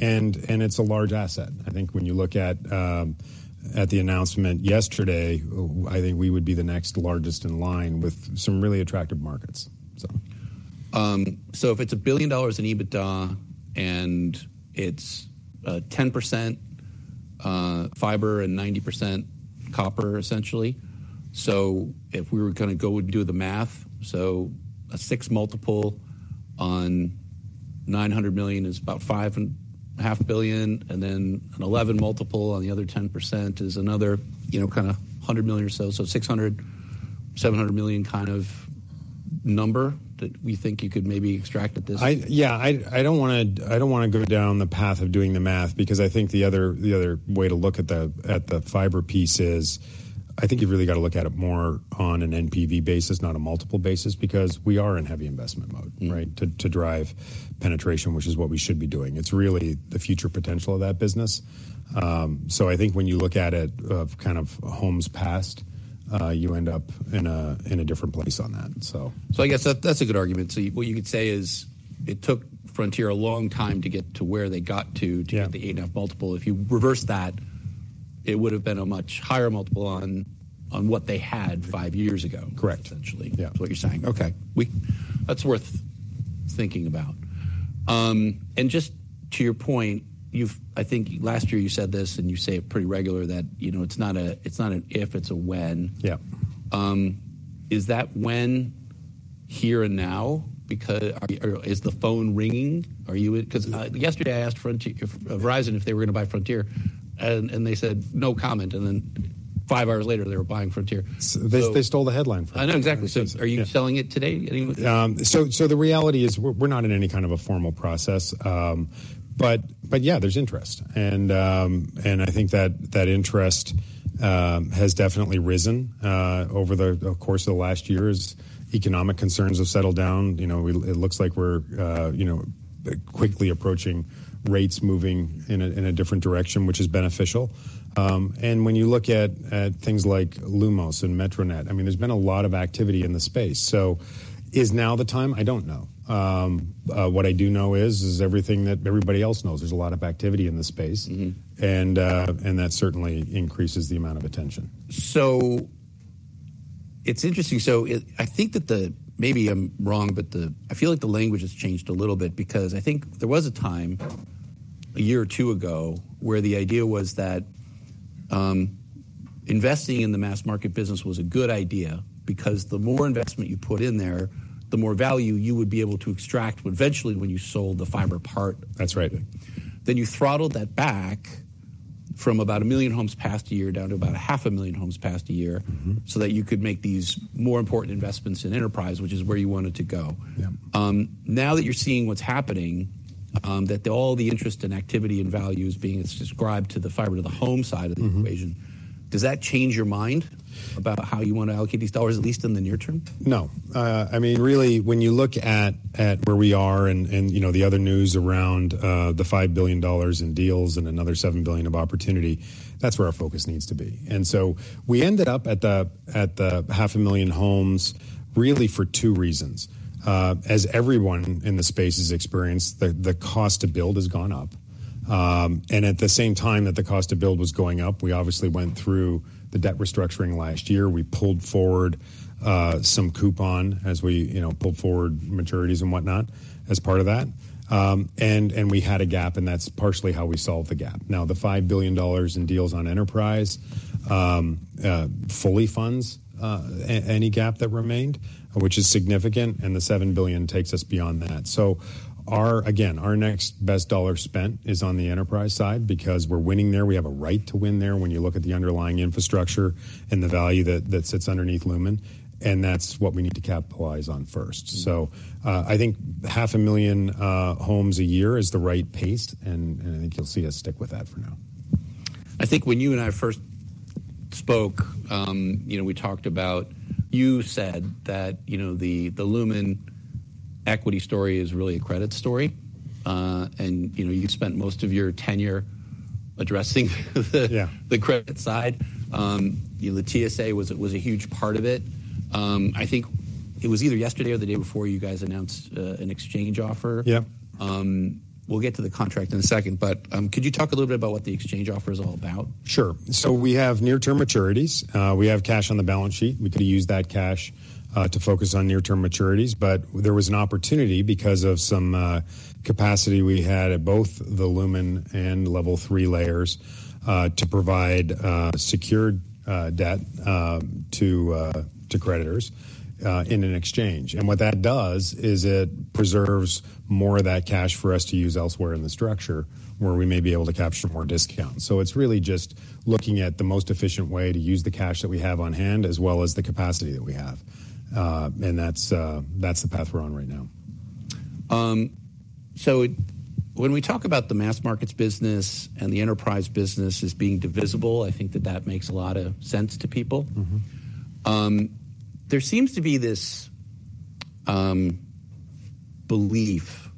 And it's a large asset. I think when you look at the announcement yesterday, I think we would be the next largest in line with some really attractive markets, so... So if it's $1 billion in EBITDA and it's 10% fiber and 90% copper, essentially. So if we were gonna go and do the math, so a 6x on $900 million is about $5.5 billion, and then an 11x on the other 10% is another, you know, kinda $100 million or so. So $600 million-$700 million kind of number that we think you could maybe extract at this? Yeah, I don't wanna go down the path of doing the math because I think the other way to look at the fiber piece is, I think you've really got to look at it more on an NPV basis, not a multiple basis, because we are in heavy investment mode. Mm. Right? To drive penetration, which is what we should be doing. It's really the future potential of that business. So I think when you look at it, kind of homes passed, you end up in a different place on that, so. I guess that's a good argument. What you could say is, it took Frontier a long time to get to where they got to. Yeah. To get the 8.5x. If you reverse that, it would've been a much higher multiple on what they had five years ago- Correct. Eessentially. Yeah. That's what you're saying. Okay. That's worth thinking about, and just to your point, I think last year you said this, and you say it pretty regular, that, you know, it's not a, it's not an if, it's a when. Yeah. Is that when here and now? Because... is the phone ringing? Because, yesterday I asked Verizon if they were gonna buy Frontier, and they said, "No comment." And then five hours later, they were buying Frontier. So... They stole the headline from me. I know, exactly. Yes. So are you selling it today, anyone? So, the reality is, we're not in any kind of a formal process. But yeah, there's interest. And I think that interest has definitely risen over the course of the last year as economic concerns have settled down. You know, it looks like we're quickly approaching rates moving in a different direction, which is beneficial. And when you look at things like Lumos and Metronet, I mean, there's been a lot of activity in the space. So is now the time? I don't know. What I do know is everything that everybody else knows, there's a lot of activity in the space. Mm-hmm. That certainly increases the amount of attention. It's interesting. I think that maybe I'm wrong, but I feel like the language has changed a little bit because I think there was a time, a year or two ago, where the idea was that investing in the mass market business was a good idea because the more investment you put in there, the more value you would be able to extract eventually when you sold the fiber part. That's right. Then you throttled that back from about 1 million homes passed a year down to about 500,000 homes passed a year... Mm-hmm. So that you could make these more important investments in enterprise, which is where you wanted to go. Yeah. Now that you're seeing what's happening, that all the interest and activity and value is being subscribed to the fiber to the home side of the equation- Mm-hmm. Does that change your mind about how you want to allocate these dollars, at least in the near term? No. I mean, really, when you look at where we are and, you know, the other news around the $5 billion in deals and another $7 billion of opportunity, that's where our focus needs to be. And so we ended up at the 500,000 homes, really, for two reasons. As everyone in the space has experienced, the cost to build has gone up. And at the same time that the cost to build was going up, we obviously went through the debt restructuring last year. We pulled forward some coupon as we, you know, pulled forward maturities and whatnot as part of that. And we had a gap, and that's partially how we solved the gap. Now, the $5 billion in deals on enterprise fully funds any gap that remained, which is significant, and the $7 billion takes us beyond that. Again, our next best dollar spent is on the enterprise side because we're winning there. We have a right to win there when you look at the underlying infrastructure and the value that sits underneath Lumen, and that's what we need to capitalize on first. Mm. I think 500,000 homes a year is the right pace, and I think you'll see us stick with that for now. I think when you and I first spoke, you know, we talked about... You said that, you know, the Lumen equity story is really a credit story. And, you know, you spent most of your tenure addressing the... Yeah The credit side. The TSA was a huge part of it. I think it was either yesterday or the day before, you guys announced an exchange offer. Yeah. We'll get to the contract in a second, but, could you talk a little bit about what the exchange offer is all about? Sure. So we have near-term maturities. We have cash on the balance sheet. We could use that cash to focus on near-term maturities, but there was an opportunity because of some capacity we had at both the Lumen and Level 3 layers to provide secured debt to creditors in an exchange. And what that does is it preserves more of that cash for us to use elsewhere in the structure, where we may be able to capture more discount. So it's really just looking at the most efficient way to use the cash that we have on hand, as well as the capacity that we have. And that's the path we're on right now. So when we talk about the mass markets business and the enterprise business as being divisible, I think that makes a lot of sense to people. Mm-hmm. There seems to be this belief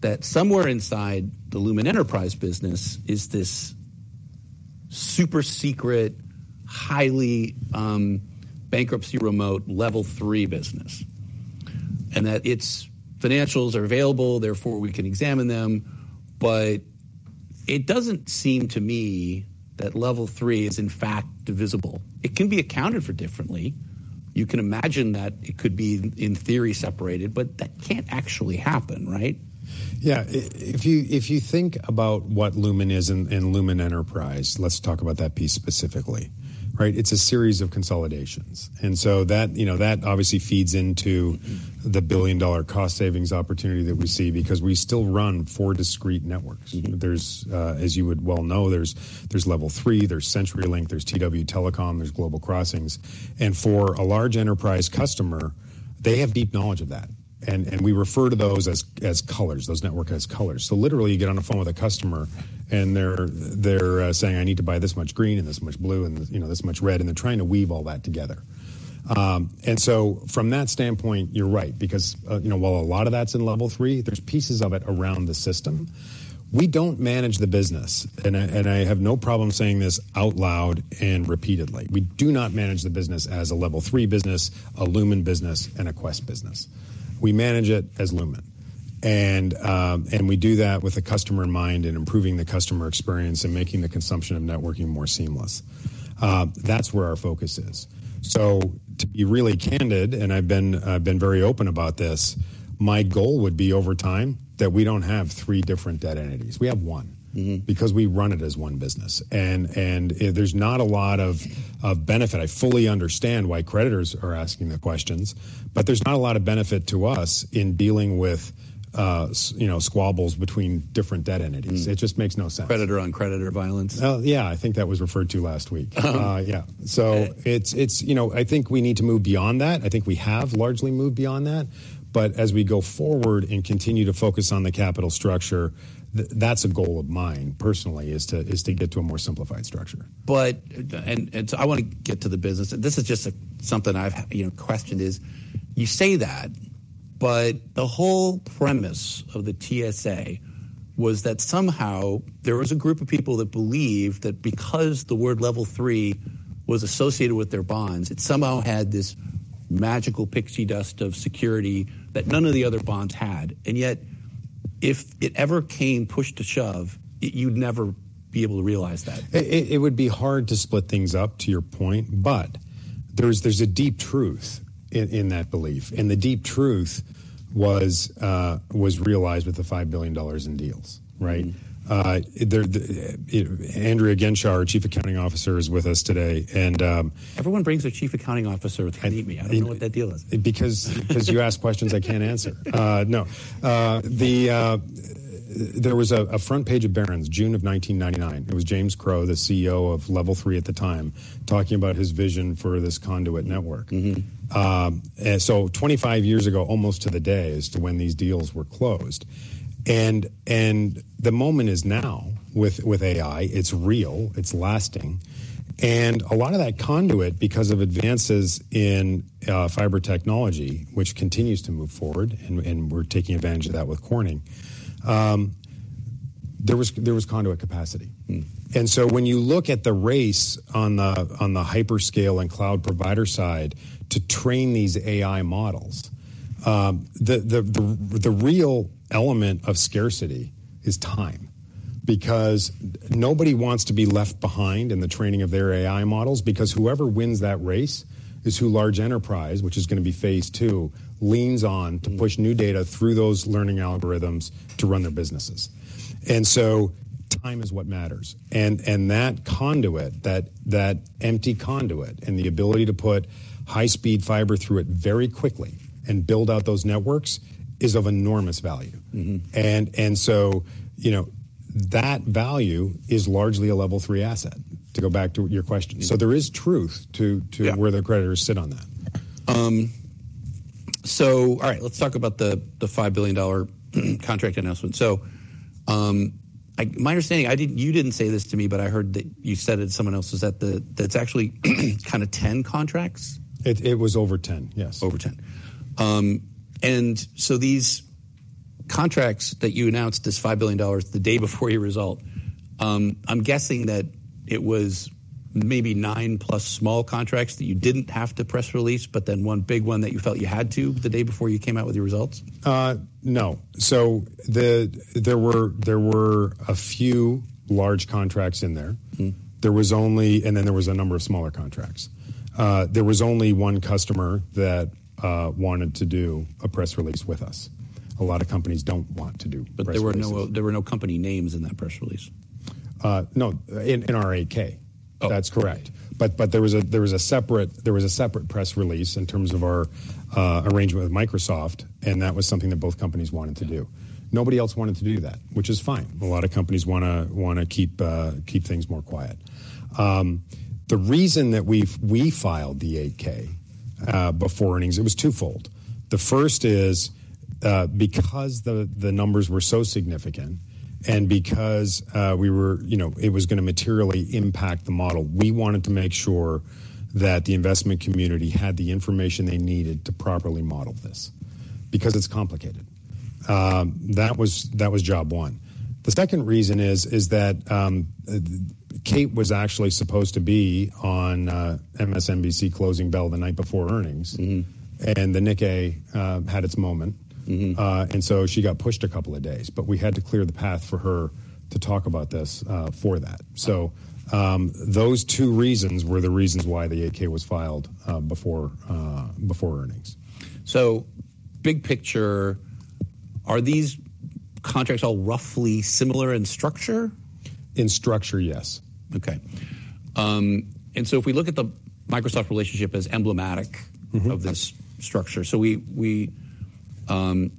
that somewhere inside the Lumen enterprise business is this super secret, highly bankruptcy remote Level 3 business, and that its financials are available, therefore, we can examine them. But it doesn't seem to me that Level 3 is, in fact, divisible. It can be accounted for differently. You can imagine that it could be, in theory, separated, but that can't actually happen, right? Yeah. If you, if you think about what Lumen is and, and Lumen Enterprise, let's talk about that piece specifically, right? It's a series of consolidations, and so that, you know, that obviously feeds into the $1 billion cost savings opportunity that we see because we still run four discrete networks. Mm-hmm. There's, as you would well know, there's Level 3, there's CenturyLink, there's TW Telecom, there's Global Crossing, and for a large enterprise customer, they have deep knowledge of that. We refer to those as colors, those networks as colors. So literally, you get on the phone with a customer, and they're saying, "I need to buy this much green and this much blue, and, you know, this much red," and they're trying to weave all that together. So from that standpoint, you're right because, you know, while a lot of that's in Level 3, there's pieces of it around the system. We don't manage the business, and I have no problem saying this out loud and repeatedly. We do not manage the business as a Level 3 business, a Lumen business, and a Qwest business. We manage it as Lumen, and we do that with the customer in mind and improving the customer experience and making the consumption of networking more seamless. That's where our focus is. So to be really candid, and I've been very open about this, my goal would be, over time, that we don't have three different debt entities. We have one... Mm-hmm Because we run it as one business, and there's not a lot of benefit. I fully understand why creditors are asking the questions, but there's not a lot of benefit to us in dealing with, you know, squabbles between different debt entities. Mm. It just makes no sense. Creditor on creditor violence. Oh, yeah, I think that was referred to last week. Oh. Yeah. So it's, you know, I think we need to move beyond that. I think we have largely moved beyond that, but as we go forward and continue to focus on the capital structure, that's a goal of mine, personally, to get to a more simplified structure. I wanna get to the business. This is just something I've, you know, questioned, is you say that, but the whole premise of the TSA was that somehow there was a group of people that believed that because the word Level 3 was associated with their bonds, it somehow had this magical pixie dust of security that none of the other bonds had, and yet, if it ever came push to shove, it, you'd never be able to realize that. It would be hard to split things up, to your point, but there's a deep truth in that belief, and the deep truth was realized with the $5 billion in deals, right? Mm. Andrea Genschaw, our Chief Accounting Officer, is with us today, and Everyone brings their chief accounting officer with them. I mean, I don't know what that deal is. Because you ask questions I can't answer. No. There was a front page of Barron's, June of 1999. It was James Crowe, the CEO of Level 3 at the time, talking about his vision for this conduit network. Mm-hmm. So 25 years ago, almost to the day as to when these deals were closed, and the moment is now with AI. It's real, it's lasting, and a lot of that conduit because of advances in fiber technology, which continues to move forward, and we're taking advantage of that with Corning. There was conduit capacity. Mm. And so when you look at the race on the hyperscale and cloud provider side to train these AI models, the real element of scarcity is time, because nobody wants to be left behind in the training of their AI models, because whoever wins that race is who large enterprise, which is gonna be phase two, leans on.. Mm To push new data through those learning algorithms to run their businesses. And so time is what matters, and that conduit, that empty conduit, and the ability to put high-speed fiber through it very quickly and build out those networks, is of enormous value. Mm-hmm. So, you know, that value is largely a Level 3 asset, to go back to your question. Mm. So there is truth to... Yeah To where the creditors sit on that. So, all right, let's talk about the $5 billion contract announcement. So, my understanding, you didn't say this to me, but I heard that you said it to someone else, is that that's actually kind of 10 contracts? It was over 10, yes. Over 10. And so these contracts that you announced, this $5 billion, the day before your result, I'm guessing that it was maybe nine plus small contracts that you didn't have to press release, but then one big one that you felt you had to, the day before you came out with your results? No. So there were a few large contracts in there. Mm. There was only... and then there was a number of smaller contracts. There was only one customer that wanted to do a press release with us. A lot of companies don't want to do press releases. But there were no company names in that press release. No, in our 8-K. Oh. That's correct. But there was a separate press release in terms of our arrangement with Microsoft, and that was something that both companies wanted to do. Nobody else wanted to do that, which is fine. A lot of companies wanna keep things more quiet. The reason that we've filed the 8-K before earnings, it was twofold. The first is, because the numbers were so significant and because we were you know, it was gonna materially impact the model, we wanted to make sure that the investment community had the information they needed to properly model this, because it's complicated. That was job one. The second reason is that Kate was actually supposed to be on MSNBC Closing Bell the night before earnings. Mm-hmm. And the Nikkei had its moment. Mm-hmm. And so she got pushed a couple of days, but we had to clear the path for her to talk about this for that. So those two reasons were the reasons why the 8-K was filed before earnings. So, big picture... Are these contracts all roughly similar in structure? In structure, yes. Okay, and so if we look at the Microsoft relationship as emblematic... Mm-hmm. Of this structure. So we one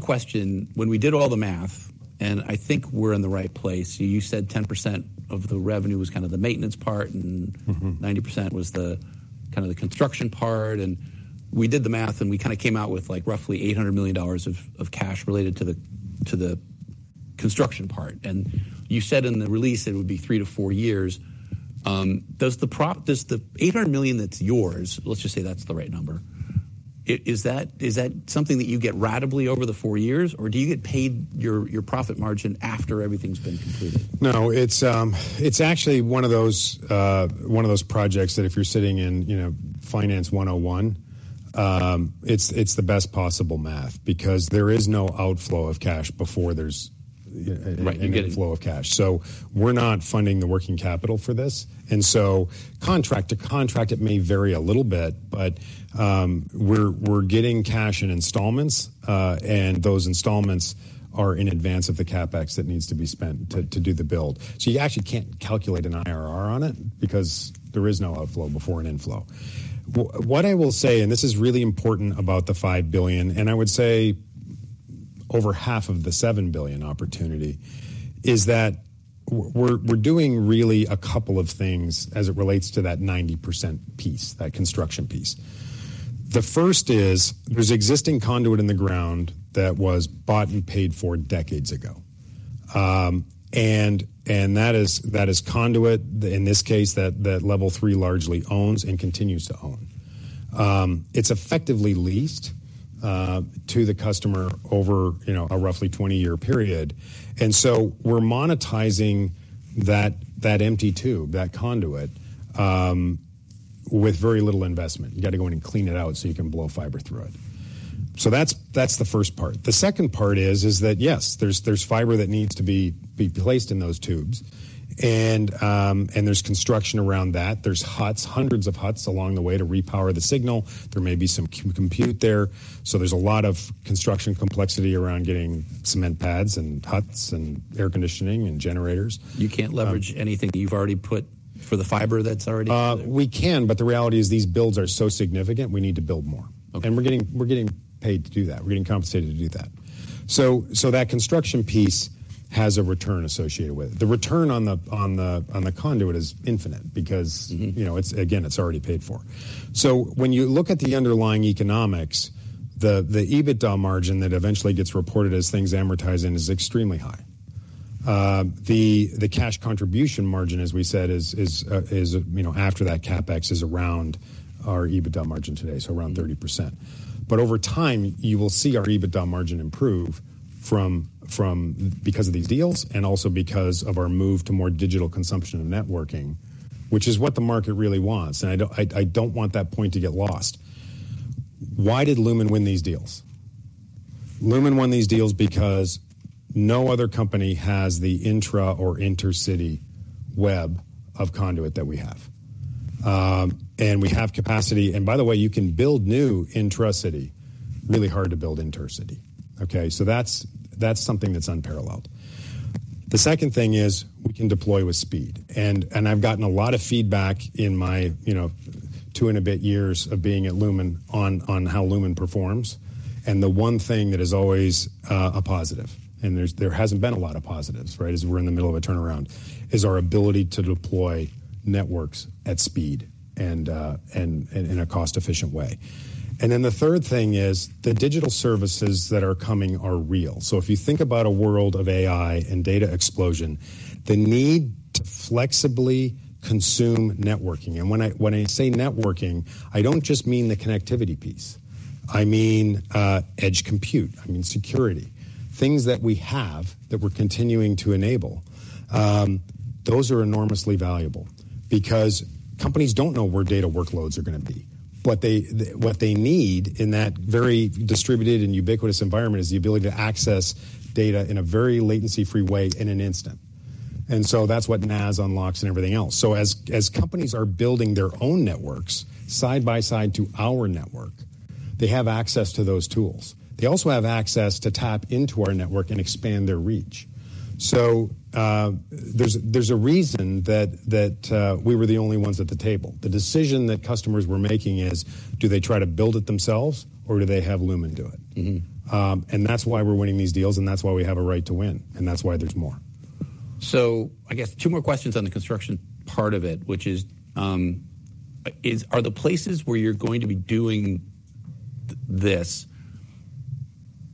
question, when we did all the math, and I think we're in the right place. You said 10% of the revenue was kind of the maintenance part, and... Mm-hmm 90% was the kind of the construction part, and we did the math, and we kinda came out with, like, roughly $800 million of cash related to the construction part. You said in the release it would be 3 years-4 years. Does the $800 million that's yours, let's just say that's the right number, is that something that you get ratably over the 4 years, or do you get paid your profit margin after everything's been completed? No, it's actually one of those projects that if you're sitting in, you know, finance one on one, it's the best possible math because there is no outflow of cash before there's... Right, you get it. An inflow of cash. So we're not funding the working capital for this, and so contract to contract, it may vary a little bit, but we're getting cash in installments, and those installments are in advance of the CapEx that needs to be spent to do the build. So you actually can't calculate an IRR on it because there is no outflow before an inflow. What I will say, and this is really important about the $5 billion, and I would say over half of the $7 billion opportunity, is that we're doing really a couple of things as it relates to that 90% piece, that construction piece. The first is there's existing conduit in the ground that was bought and paid for decades ago. And that is conduit, in this case, that Level 3 largely owns and continues to own. It's effectively leased to the customer over, you know, a roughly 20 year period. And so we're monetizing that empty tube, that conduit with very little investment. You got to go in and clean it out so you can blow fiber through it. So that's the first part. The second part is that, yes, there's fiber that needs to be placed in those tubes, and there's construction around that. There's huts, hundreds of huts along the way to repower the signal. There may be some compute there. So there's a lot of construction complexity around getting cement pads and huts and air conditioning and generators. You can't leverage anything that you've already put for the fiber that's already there? We can, but the reality is these builds are so significant, we need to build more. Okay. We're getting paid to do that. We're getting compensated to do that. That construction piece has a return associated with it. The return on the conduit is infinite because.. Mm-hmm You know, it's again, it's already paid for. So when you look at the underlying economics, the EBITDA margin that eventually gets reported as things amortize in is extremely high. The cash contribution margin, as we said, is you know after that CapEx is around our EBITDA margin today, so around 30%. But over time, you will see our EBITDA margin improve from because of these deals and also because of our move to more digital consumption and networking, which is what the market really wants, and I don't want that point to get lost. Why did Lumen win these deals? Lumen won these deals because no other company has the intra or intercity web of conduit that we have. And we have capacity. By the way, you can build new intracity. Really hard to build intercity, okay? So that's something that's unparalleled. The second thing is we can deploy with speed, and I've gotten a lot of feedback in my, you know, two and a bit years of being at Lumen on how Lumen performs, and the one thing that is always a positive, and there's, there hasn't been a lot of positives, right, as we're in the middle of a turnaround, is our ability to deploy networks at speed and in a cost-efficient way. Then the third thing is, the digital services that are coming are real. So if you think about a world of AI and data explosion, the need to flexibly consume networking, and when I say networking, I don't just mean the connectivity piece. I mean, edge compute, I mean security, things that we have that we're continuing to enable. Those are enormously valuable because companies don't know where data workloads are gonna be. What they need in that very distributed and ubiquitous environment is the ability to access data in a very latency-free way in an instant. That's what NaaS unlocks and everything else. As companies are building their own networks side by side to our network, they have access to those tools. They also have access to tap into our network and expand their reach. There's a reason that we were the only ones at the table. The decision that customers were making is: do they try to build it themselves, or do they have Lumen do it? Mm-hmm. And that's why we're winning these deals, and that's why we have a right to win, and that's why there's more. I guess two more questions on the construction part of it, which is, are the places where you're going to be doing this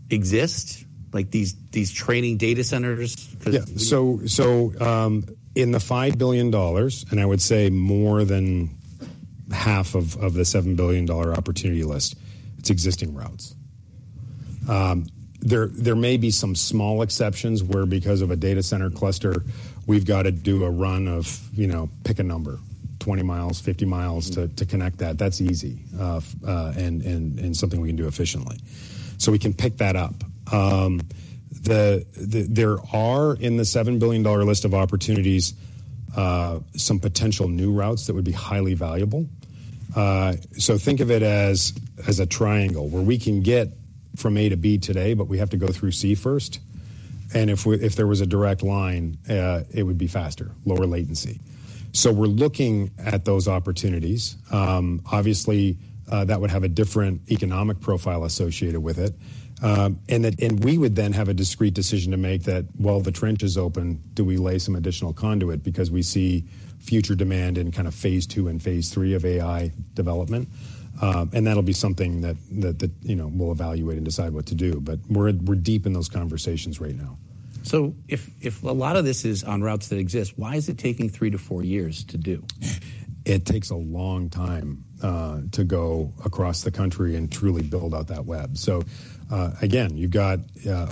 exist, like these training data centers? 'Cause- Yeah. So, in the $5 billion, and I would say more than half of the $7 billion opportunity list, it's existing routes. There may be some small exceptions where, because of a data center cluster, we've got to do a run of, you know, pick a number, 20 mi, 50 mi... Mm-hmm To connect that. That's easy, and something we can do efficiently. So we can pick that up. There are in the $7 billion list of opportunities, some potential new routes that would be highly valuable. So think of it as a triangle, where we can get from A to B today, but we have to go through C first, and if there was a direct line, it would be faster, lower latency. So we're looking at those opportunities. Obviously, that would have a different economic profile associated with it. And we would then have a discrete decision to make that while the trench is open, do we lay some additional conduit because we see future demand in kinda phase two and phase three of AI development? And that'll be something that you know we'll evaluate and decide what to do, but we're deep in those conversations right now. So if a lot of this is on routes that exist, why is it taking three to four years to do? It takes a long time to go across the country and truly build out that web. So, again, you've got...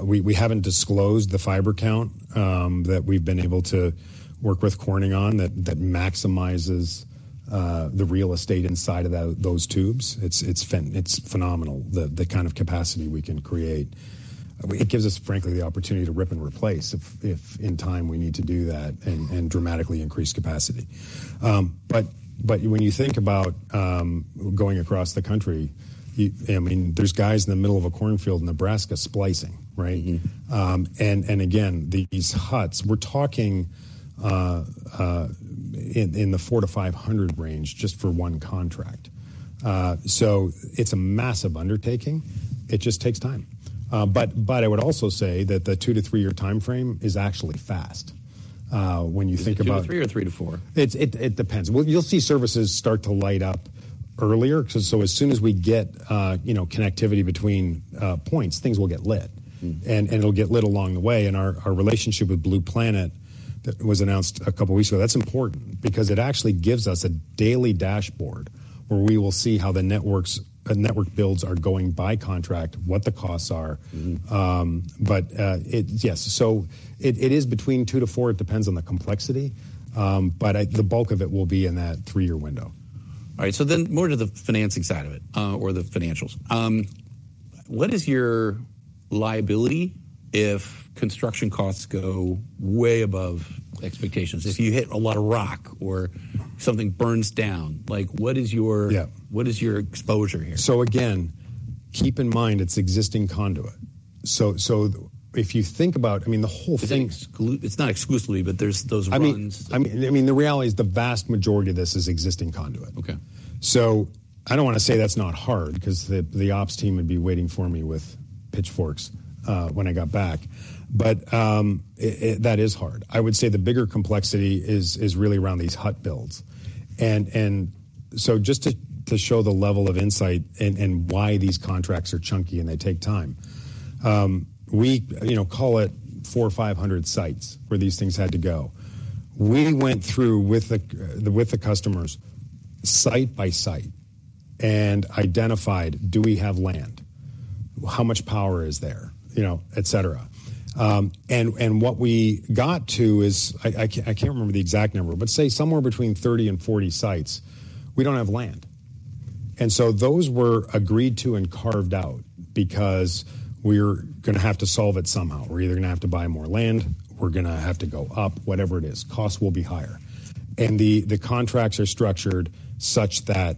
We haven't disclosed the fiber count that we've been able to work with Corning on, that maximizes the real estate inside of those tubes. It's phenomenal, the kind of capacity we can create. It gives us, frankly, the opportunity to rip and replace, if in time we need to do that, and dramatically increase capacity. But when you think about going across the country, I mean, there's guys in the middle of a cornfield in Nebraska splicing, right? Mm-hmm. And again, these huts, we're talking in the 400-500 range just for one contract. So it's a massive undertaking. It just takes time. But I would also say that the two- to three-year timeframe is actually fast when you think about- Is it two to three or three to four? It depends, well, you'll see services start to light up earlier, 'cause so as soon as we get, you know, connectivity between points, things will get lit. Mm. And it'll get lit along the way. Our relationship with Blue Planet, that was announced a couple weeks ago, that's important because it actually gives us a daily dashboard where we will see how the networks, network builds are going by contract, what the costs are. Mm-hmm. Yes, so it is between two to four. It depends on the complexity, but the bulk of it will be in that three-year window. All right, so then more to the financing side of it, or the financials. What is your liability if construction costs go way above expectations? If you hit a lot of rock or something burns down, like, what is your... Yeah. What is your exposure here? So again, keep in mind, it's existing conduit. So, if you think about... I mean, the whole thing- It's not exclusively, but there's those runs. I mean, the reality is the vast majority of this is existing conduit. Okay. So I don't wanna say that's not hard, 'cause the ops team would be waiting for me with pitchforks when I got back. But it, that is hard. I would say the bigger complexity is really around these hut builds. And so just to show the level of insight and why these contracts are chunky, and they take time, we, you know, call it four or five hundred sites where these things had to go. We went through with the customers site by site and identified: Do we have land? How much power is there? You know, et cetera. And what we got to is... I can't remember the exact number, but say somewhere between 30 sites and 40 sites, we don't have land. And so those were agreed to and carved out because we're gonna have to solve it somehow. We're either gonna have to buy more land, we're gonna have to go up, whatever it is, costs will be higher. And the contracts are structured such that,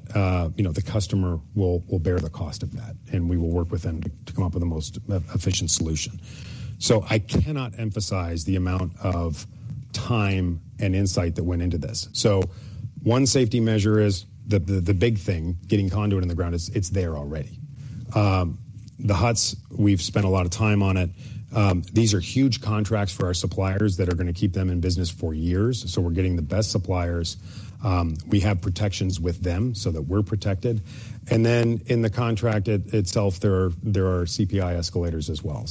you know, the customer will bear the cost of that, and we will work with them to come up with the most efficient solution. So I cannot emphasize the amount of time and insight that went into this. So one safety measure is the big thing, getting conduit in the ground, is it's there already. The huts, we've spent a lot of time on it. These are huge contracts for our suppliers that are gonna keep them in business for years, so we're getting the best suppliers. We have protections with them so that we're protected. Then in the contract itself, there are CPI escalators as well.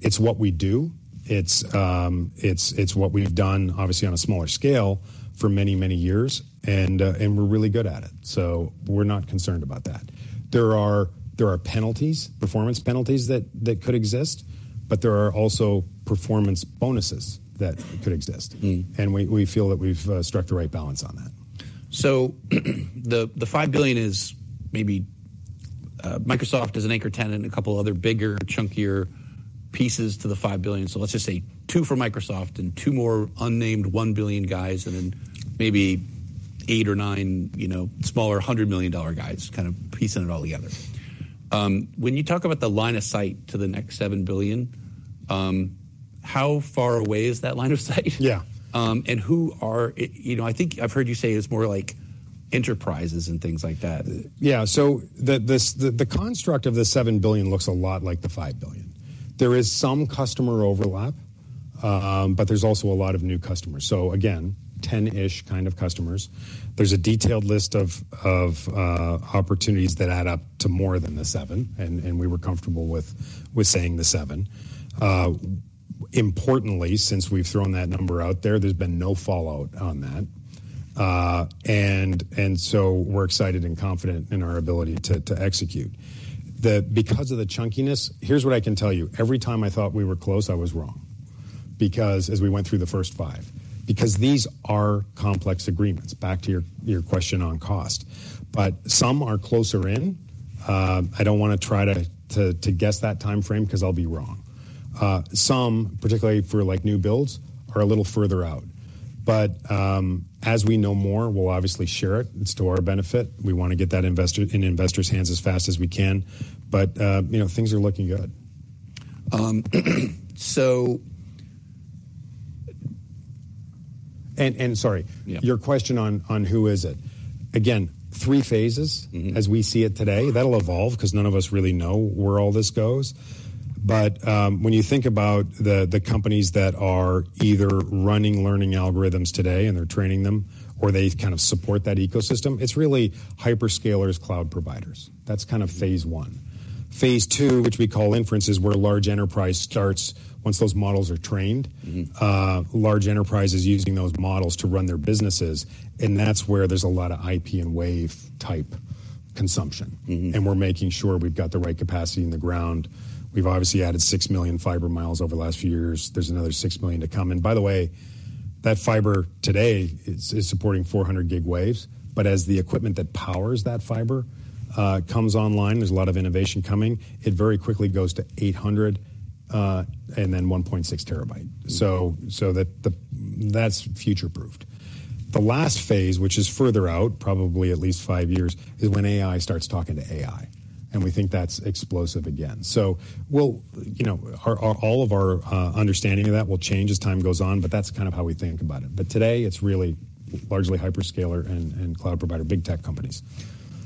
It's what we do. It's what we've done, obviously on a smaller scale, for many years, and we're really good at it, so we're not concerned about that. There are penalties, performance penalties that could exist, but there are also performance bonuses that could exist. Mm. We feel that we've struck the right balance on that. So the $5 billion is maybe Microsoft is an anchor tenant and a couple other bigger, chunkier pieces to the $5 billion. So let's just say $2 billion for Microsoft and two more unnamed $1 billion guys and then maybe eight or nine, you know, smaller $100 million dollar guys, kind of piecing it all together. When you talk about the line of sight to the next $7 billion, how far away is that line of sight? Yeah. And who are... You know, I think I've heard you say it's more like enterprises and things like that. Yeah. So this construct of the seven billion looks a lot like the five billion. There is some customer overlap, but there's also a lot of new customers. So again, 10-ish kind of customers. There's a detailed list of opportunities that add up to more than the seven, and we were comfortable with saying the seven. Importantly, since we've thrown that number out there, there's been no fallout on that. And so we're excited and confident in our ability to execute. Because of the chunkiness, here's what I can tell you: Every time I thought we were close, I was wrong, because as we went through the first five, because these are complex agreements, back to your question on cost. But some are closer in. I don't wanna try to guess that timeframe, 'cause I'll be wrong. Some, particularly for, like, new builds, are a little further out. But, as we know more, we'll obviously share it. It's to our benefit. We wanna get that investor in investors' hands as fast as we can, but, you know, things are looking good. Um, so... Sorry. Yeah. Your question on who is it? Again, three phases... Mm-hmm. As we see it today. That'll evolve, 'cause none of us really know where all this goes. But, when you think about the companies that are either running learning algorithms today, and they're training them, or they kind of support that ecosystem, it's really hyperscalers, cloud providers. That's kind of phase one. Phase II, which we call inference, is where large enterprise starts once those models are trained. Mm-hmm. Large enterprise is using those models to run their businesses, and that's where there's a lot of IP and Waves-type consumption. Mm-hmm. We're making sure we've got the right capacity in the ground. We've obviously added 6 million fiber miles over the last few years. There's another 6 million to come. By the way, that fiber today is supporting 400 gig waves, but as the equipment that powers that fiber comes online, there's a lot of innovation coming. It very quickly goes to 800, and then 1.6 Tb. Mm. So that that's future-proofed. The last phase, which is further out, probably at least five years, is when AI starts talking to AI, and we think that's explosive again. We'll—you know, our all of our understanding of that will change as time goes on, but that's kind of how we think about it. Today, it's really largely hyperscaler and cloud provider, big tech companies.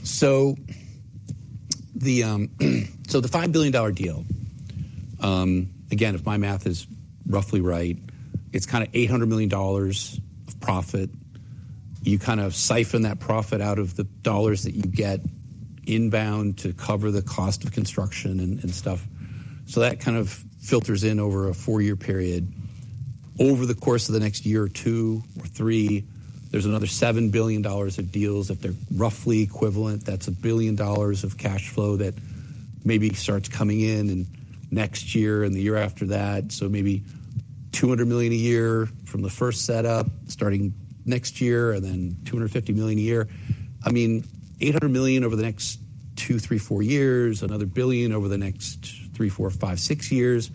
So the $5 billion deal, again, if my math is roughly right, it's kinda $800 million of profit. You kind of siphon that profit out of the dollars that you get inbound to cover the cost of construction and stuff. So that kind of filters in over a four-year period. Over the course of the next year or two or three, there's another $7 billion of deals. If they're roughly equivalent, that's $1 billion of cash flow that maybe starts coming in in next year and the year after that, so maybe $200 million a year from the first set-up, starting next year, and then $250 million a year. I mean, $800 million over the next two, three, four years, another $1 billion over the next three, four, five, six years.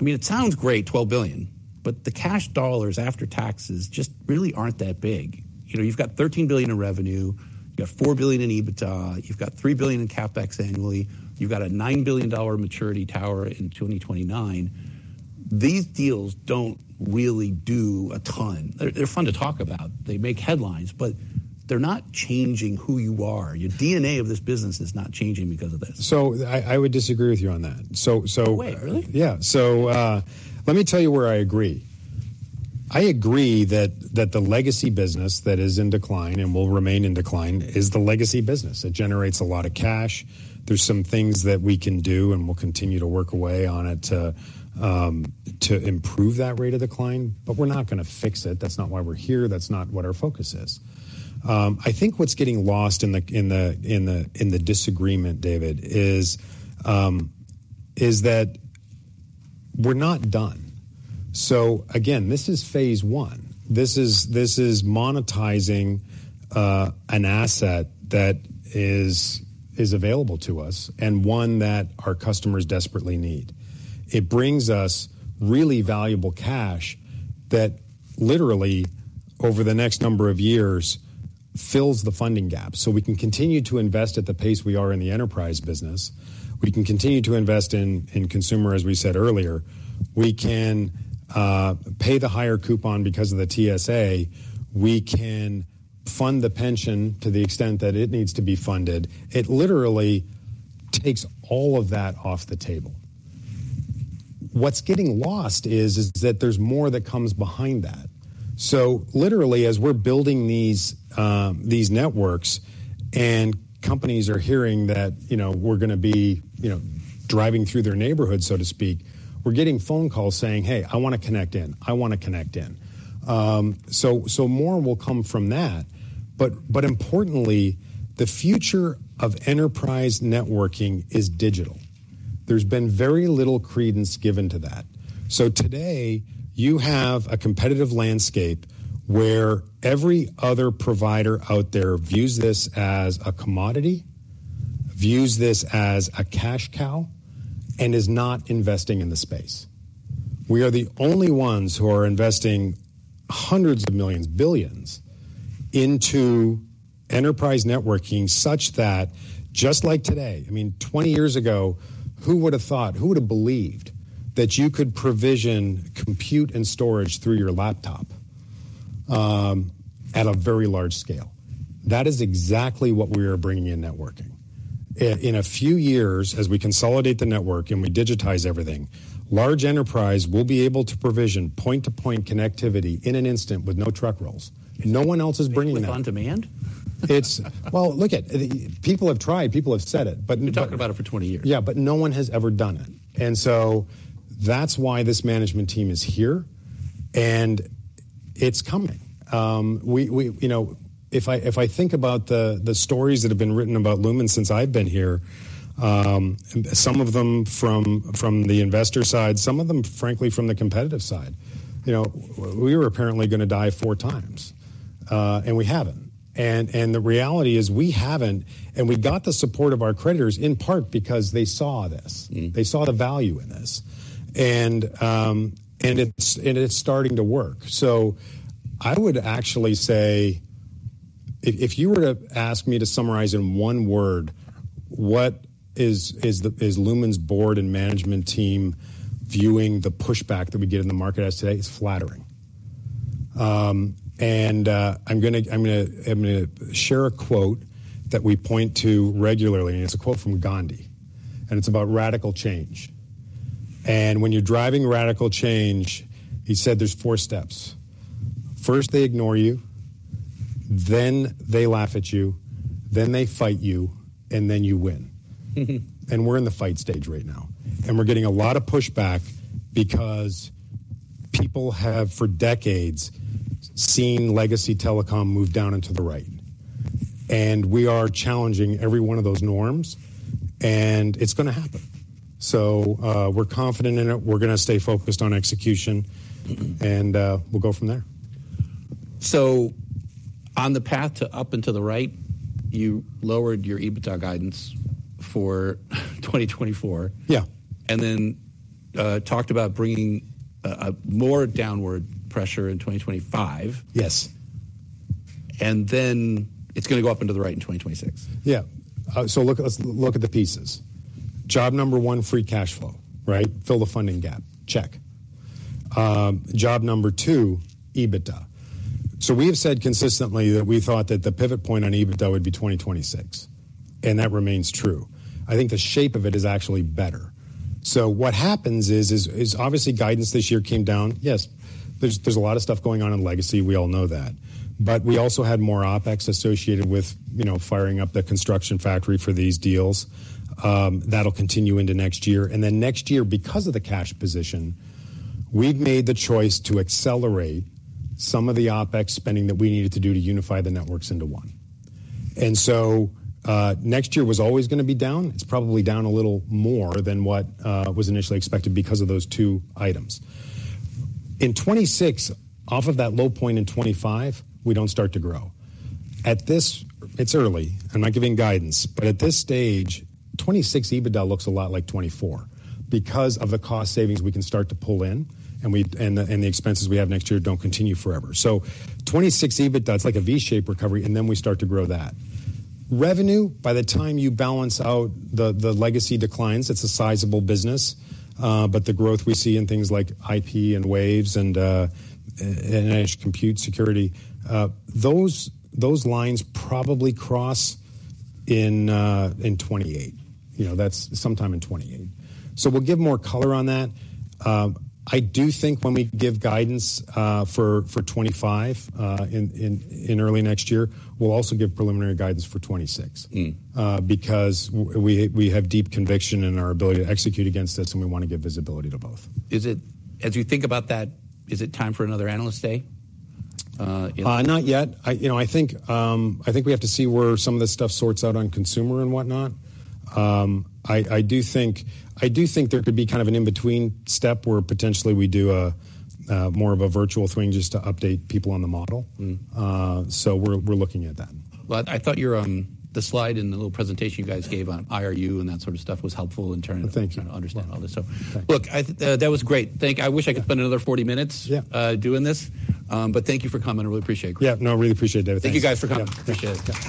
I mean, it sounds great, $12 billion, but the cash dollars after taxes just really aren't that big. You know, you've got $13 billion in revenue, you've got $4 billion in EBITDA, you've got $3 billion in CapEx annually, you've got a $9 billion maturity tower in 2029. These deals don't really do a ton. They're fun to talk about, they make headlines, but they're not changing who you are. Your DNA of this business is not changing because of this. So I would disagree with you on that. Wait, really? Yeah. So, let me tell you where I agree. I agree that the legacy business that is in decline and will remain in decline is the legacy business. It generates a lot of cash. There's some things that we can do, and we'll continue to work away on it to improve that rate of decline, but we're not gonna fix it. That's not why we're here. That's not what our focus is. I think what's getting lost in the disagreement, David, is that we're not done. So again, this is phase I. This is monetizing an asset that is available to us and one that our customers desperately need. It brings us really valuable cash that literally, over the next number of years, fills the funding gap. So we can continue to invest at the pace we are in the enterprise business. We can continue to invest in consumer, as we said earlier. We can pay the higher coupon because of the TSA. We can fund the pension to the extent that it needs to be funded. It literally takes all of that off the table. What's getting lost is that there's more that comes behind that. So literally, as we're building these networks, and companies are hearing that, you know, we're gonna be, you know, driving through their neighborhood, so to speak, we're getting phone calls saying: "Hey, I wanna connect in. I wanna connect in." So more will come from that. But importantly, the future of enterprise networking is digital. There's been very little credence given to that. So today, you have a competitive landscape where every other provider out there views this as a commodity, views this as a cash cow, and is not investing in the space. We are the only ones who are investing hundreds of millions, billions, into enterprise networking, such that. Just like today, I mean, 20 years ago, who would have thought, who would have believed that you could provision, compute, and storage through your laptop, at a very large scale? That is exactly what we are bringing in networking. In a few years, as we consolidate the network and we digitize everything, large enterprise will be able to provision point-to-point connectivity in an instant with no truck rolls. No one else is bringing that. On demand? Well, look at... People have tried, people have said it, but.. We've talked about it for 20 years. Yeah, but no one has ever done it, and so that's why this management team is here, and it's coming. You know, if I think about the stories that have been written about Lumen since I've been here, some of them from the investor side, some of them, frankly, from the competitive side. You know, we were apparently gonna die four times, and we haven't. And the reality is we haven't, and we got the support of our creditors, in part because they saw this. Mm. They saw the value in this. And it's starting to work. So I would actually say if you were to ask me to summarize in one word, what is Lumen's board and management team viewing the pushback that we get in the market as today? It's flattering. And I'm gonna share a quote that we point to regularly, and it's a quote from Gandhi, and it's about radical change. "And when you're driving radical change," he said, "there's four steps. First, they ignore you, then they laugh at you, then they fight you, and then you win," and we're in the fight stage right now, and we're getting a lot of pushback because people have, for decades, seen legacy telecom move down into the right, and we are challenging every one of those norms, and it's gonna happen. So, we're confident in it. We're gonna stay focused on execution, and we'll go from there. On the path to up and to the right, you lowered your EBITDA guidance for 2024. Yeah. And then talked about bringing a more downward pressure in 2025. Yes. It's gonna go up and to the right in 2026. Yeah. So look, let's look at the pieces. Job number one, free cash flow, right? Fill the funding gap. Check. Job number two, EBITDA. So we have said consistently that we thought that the pivot point on EBITDA would be 2026, and that remains true. I think the shape of it is actually better. So what happens is obviously guidance this year came down. Yes, there's a lot of stuff going on in legacy. We all know that. But we also had more OpEx associated with, you know, firing up the construction factory for these deals. That'll continue into next year. And then next year, because of the cash position, we've made the choice to accelerate some of the OpEx spending that we needed to do to unify the networks into one. And so, next year was always gonna be down. It's probably down a little more than what was initially expected because of those two items. In 2026, off of that low point in 2025, we don't start to grow. At this. It's early. I'm not giving guidance, but at this stage, 2026 EBITDA looks a lot like 2024 because of the cost savings we can start to pull in, and the expenses we have next year don't continue forever. So 2026 EBITDA, it's like a V-shaped recovery, and then we start to grow that. Revenue, by the time you balance out the legacy declines, it's a sizable business, but the growth we see in things like IP and Waves and edge compute security, those lines probably cross in 2028. You know, that's sometime in 2028. So we'll give more color on that. I do think when we give guidance for 2025 in early next year, we'll also give preliminary guidance for 2026. Mm. Because we have deep conviction in our ability to execute against this, and we want to give visibility to both. Is it, as you think about that, time for another analyst day? Not yet. You know, I think we have to see where some of this stuff sorts out on consumer and whatnot. I do think there could be kind of an in-between step where potentially we do a more of a virtual thing just to update people on the model. Mm. So, we're looking at that. I thought your, the slide and the little presentation you guys gave on IRU and that sort of stuff was helpful in trying... Thank you. To understand all this, so Thanks. Look, that was great. Thank you. I wish I could spend another 40 minutes- Yeah. Doing this, but thank you for coming. I really appreciate it. Yeah. No, I really appreciate it, David. Thanks. Thank you, guys, for coming. Yeah. Appreciate it.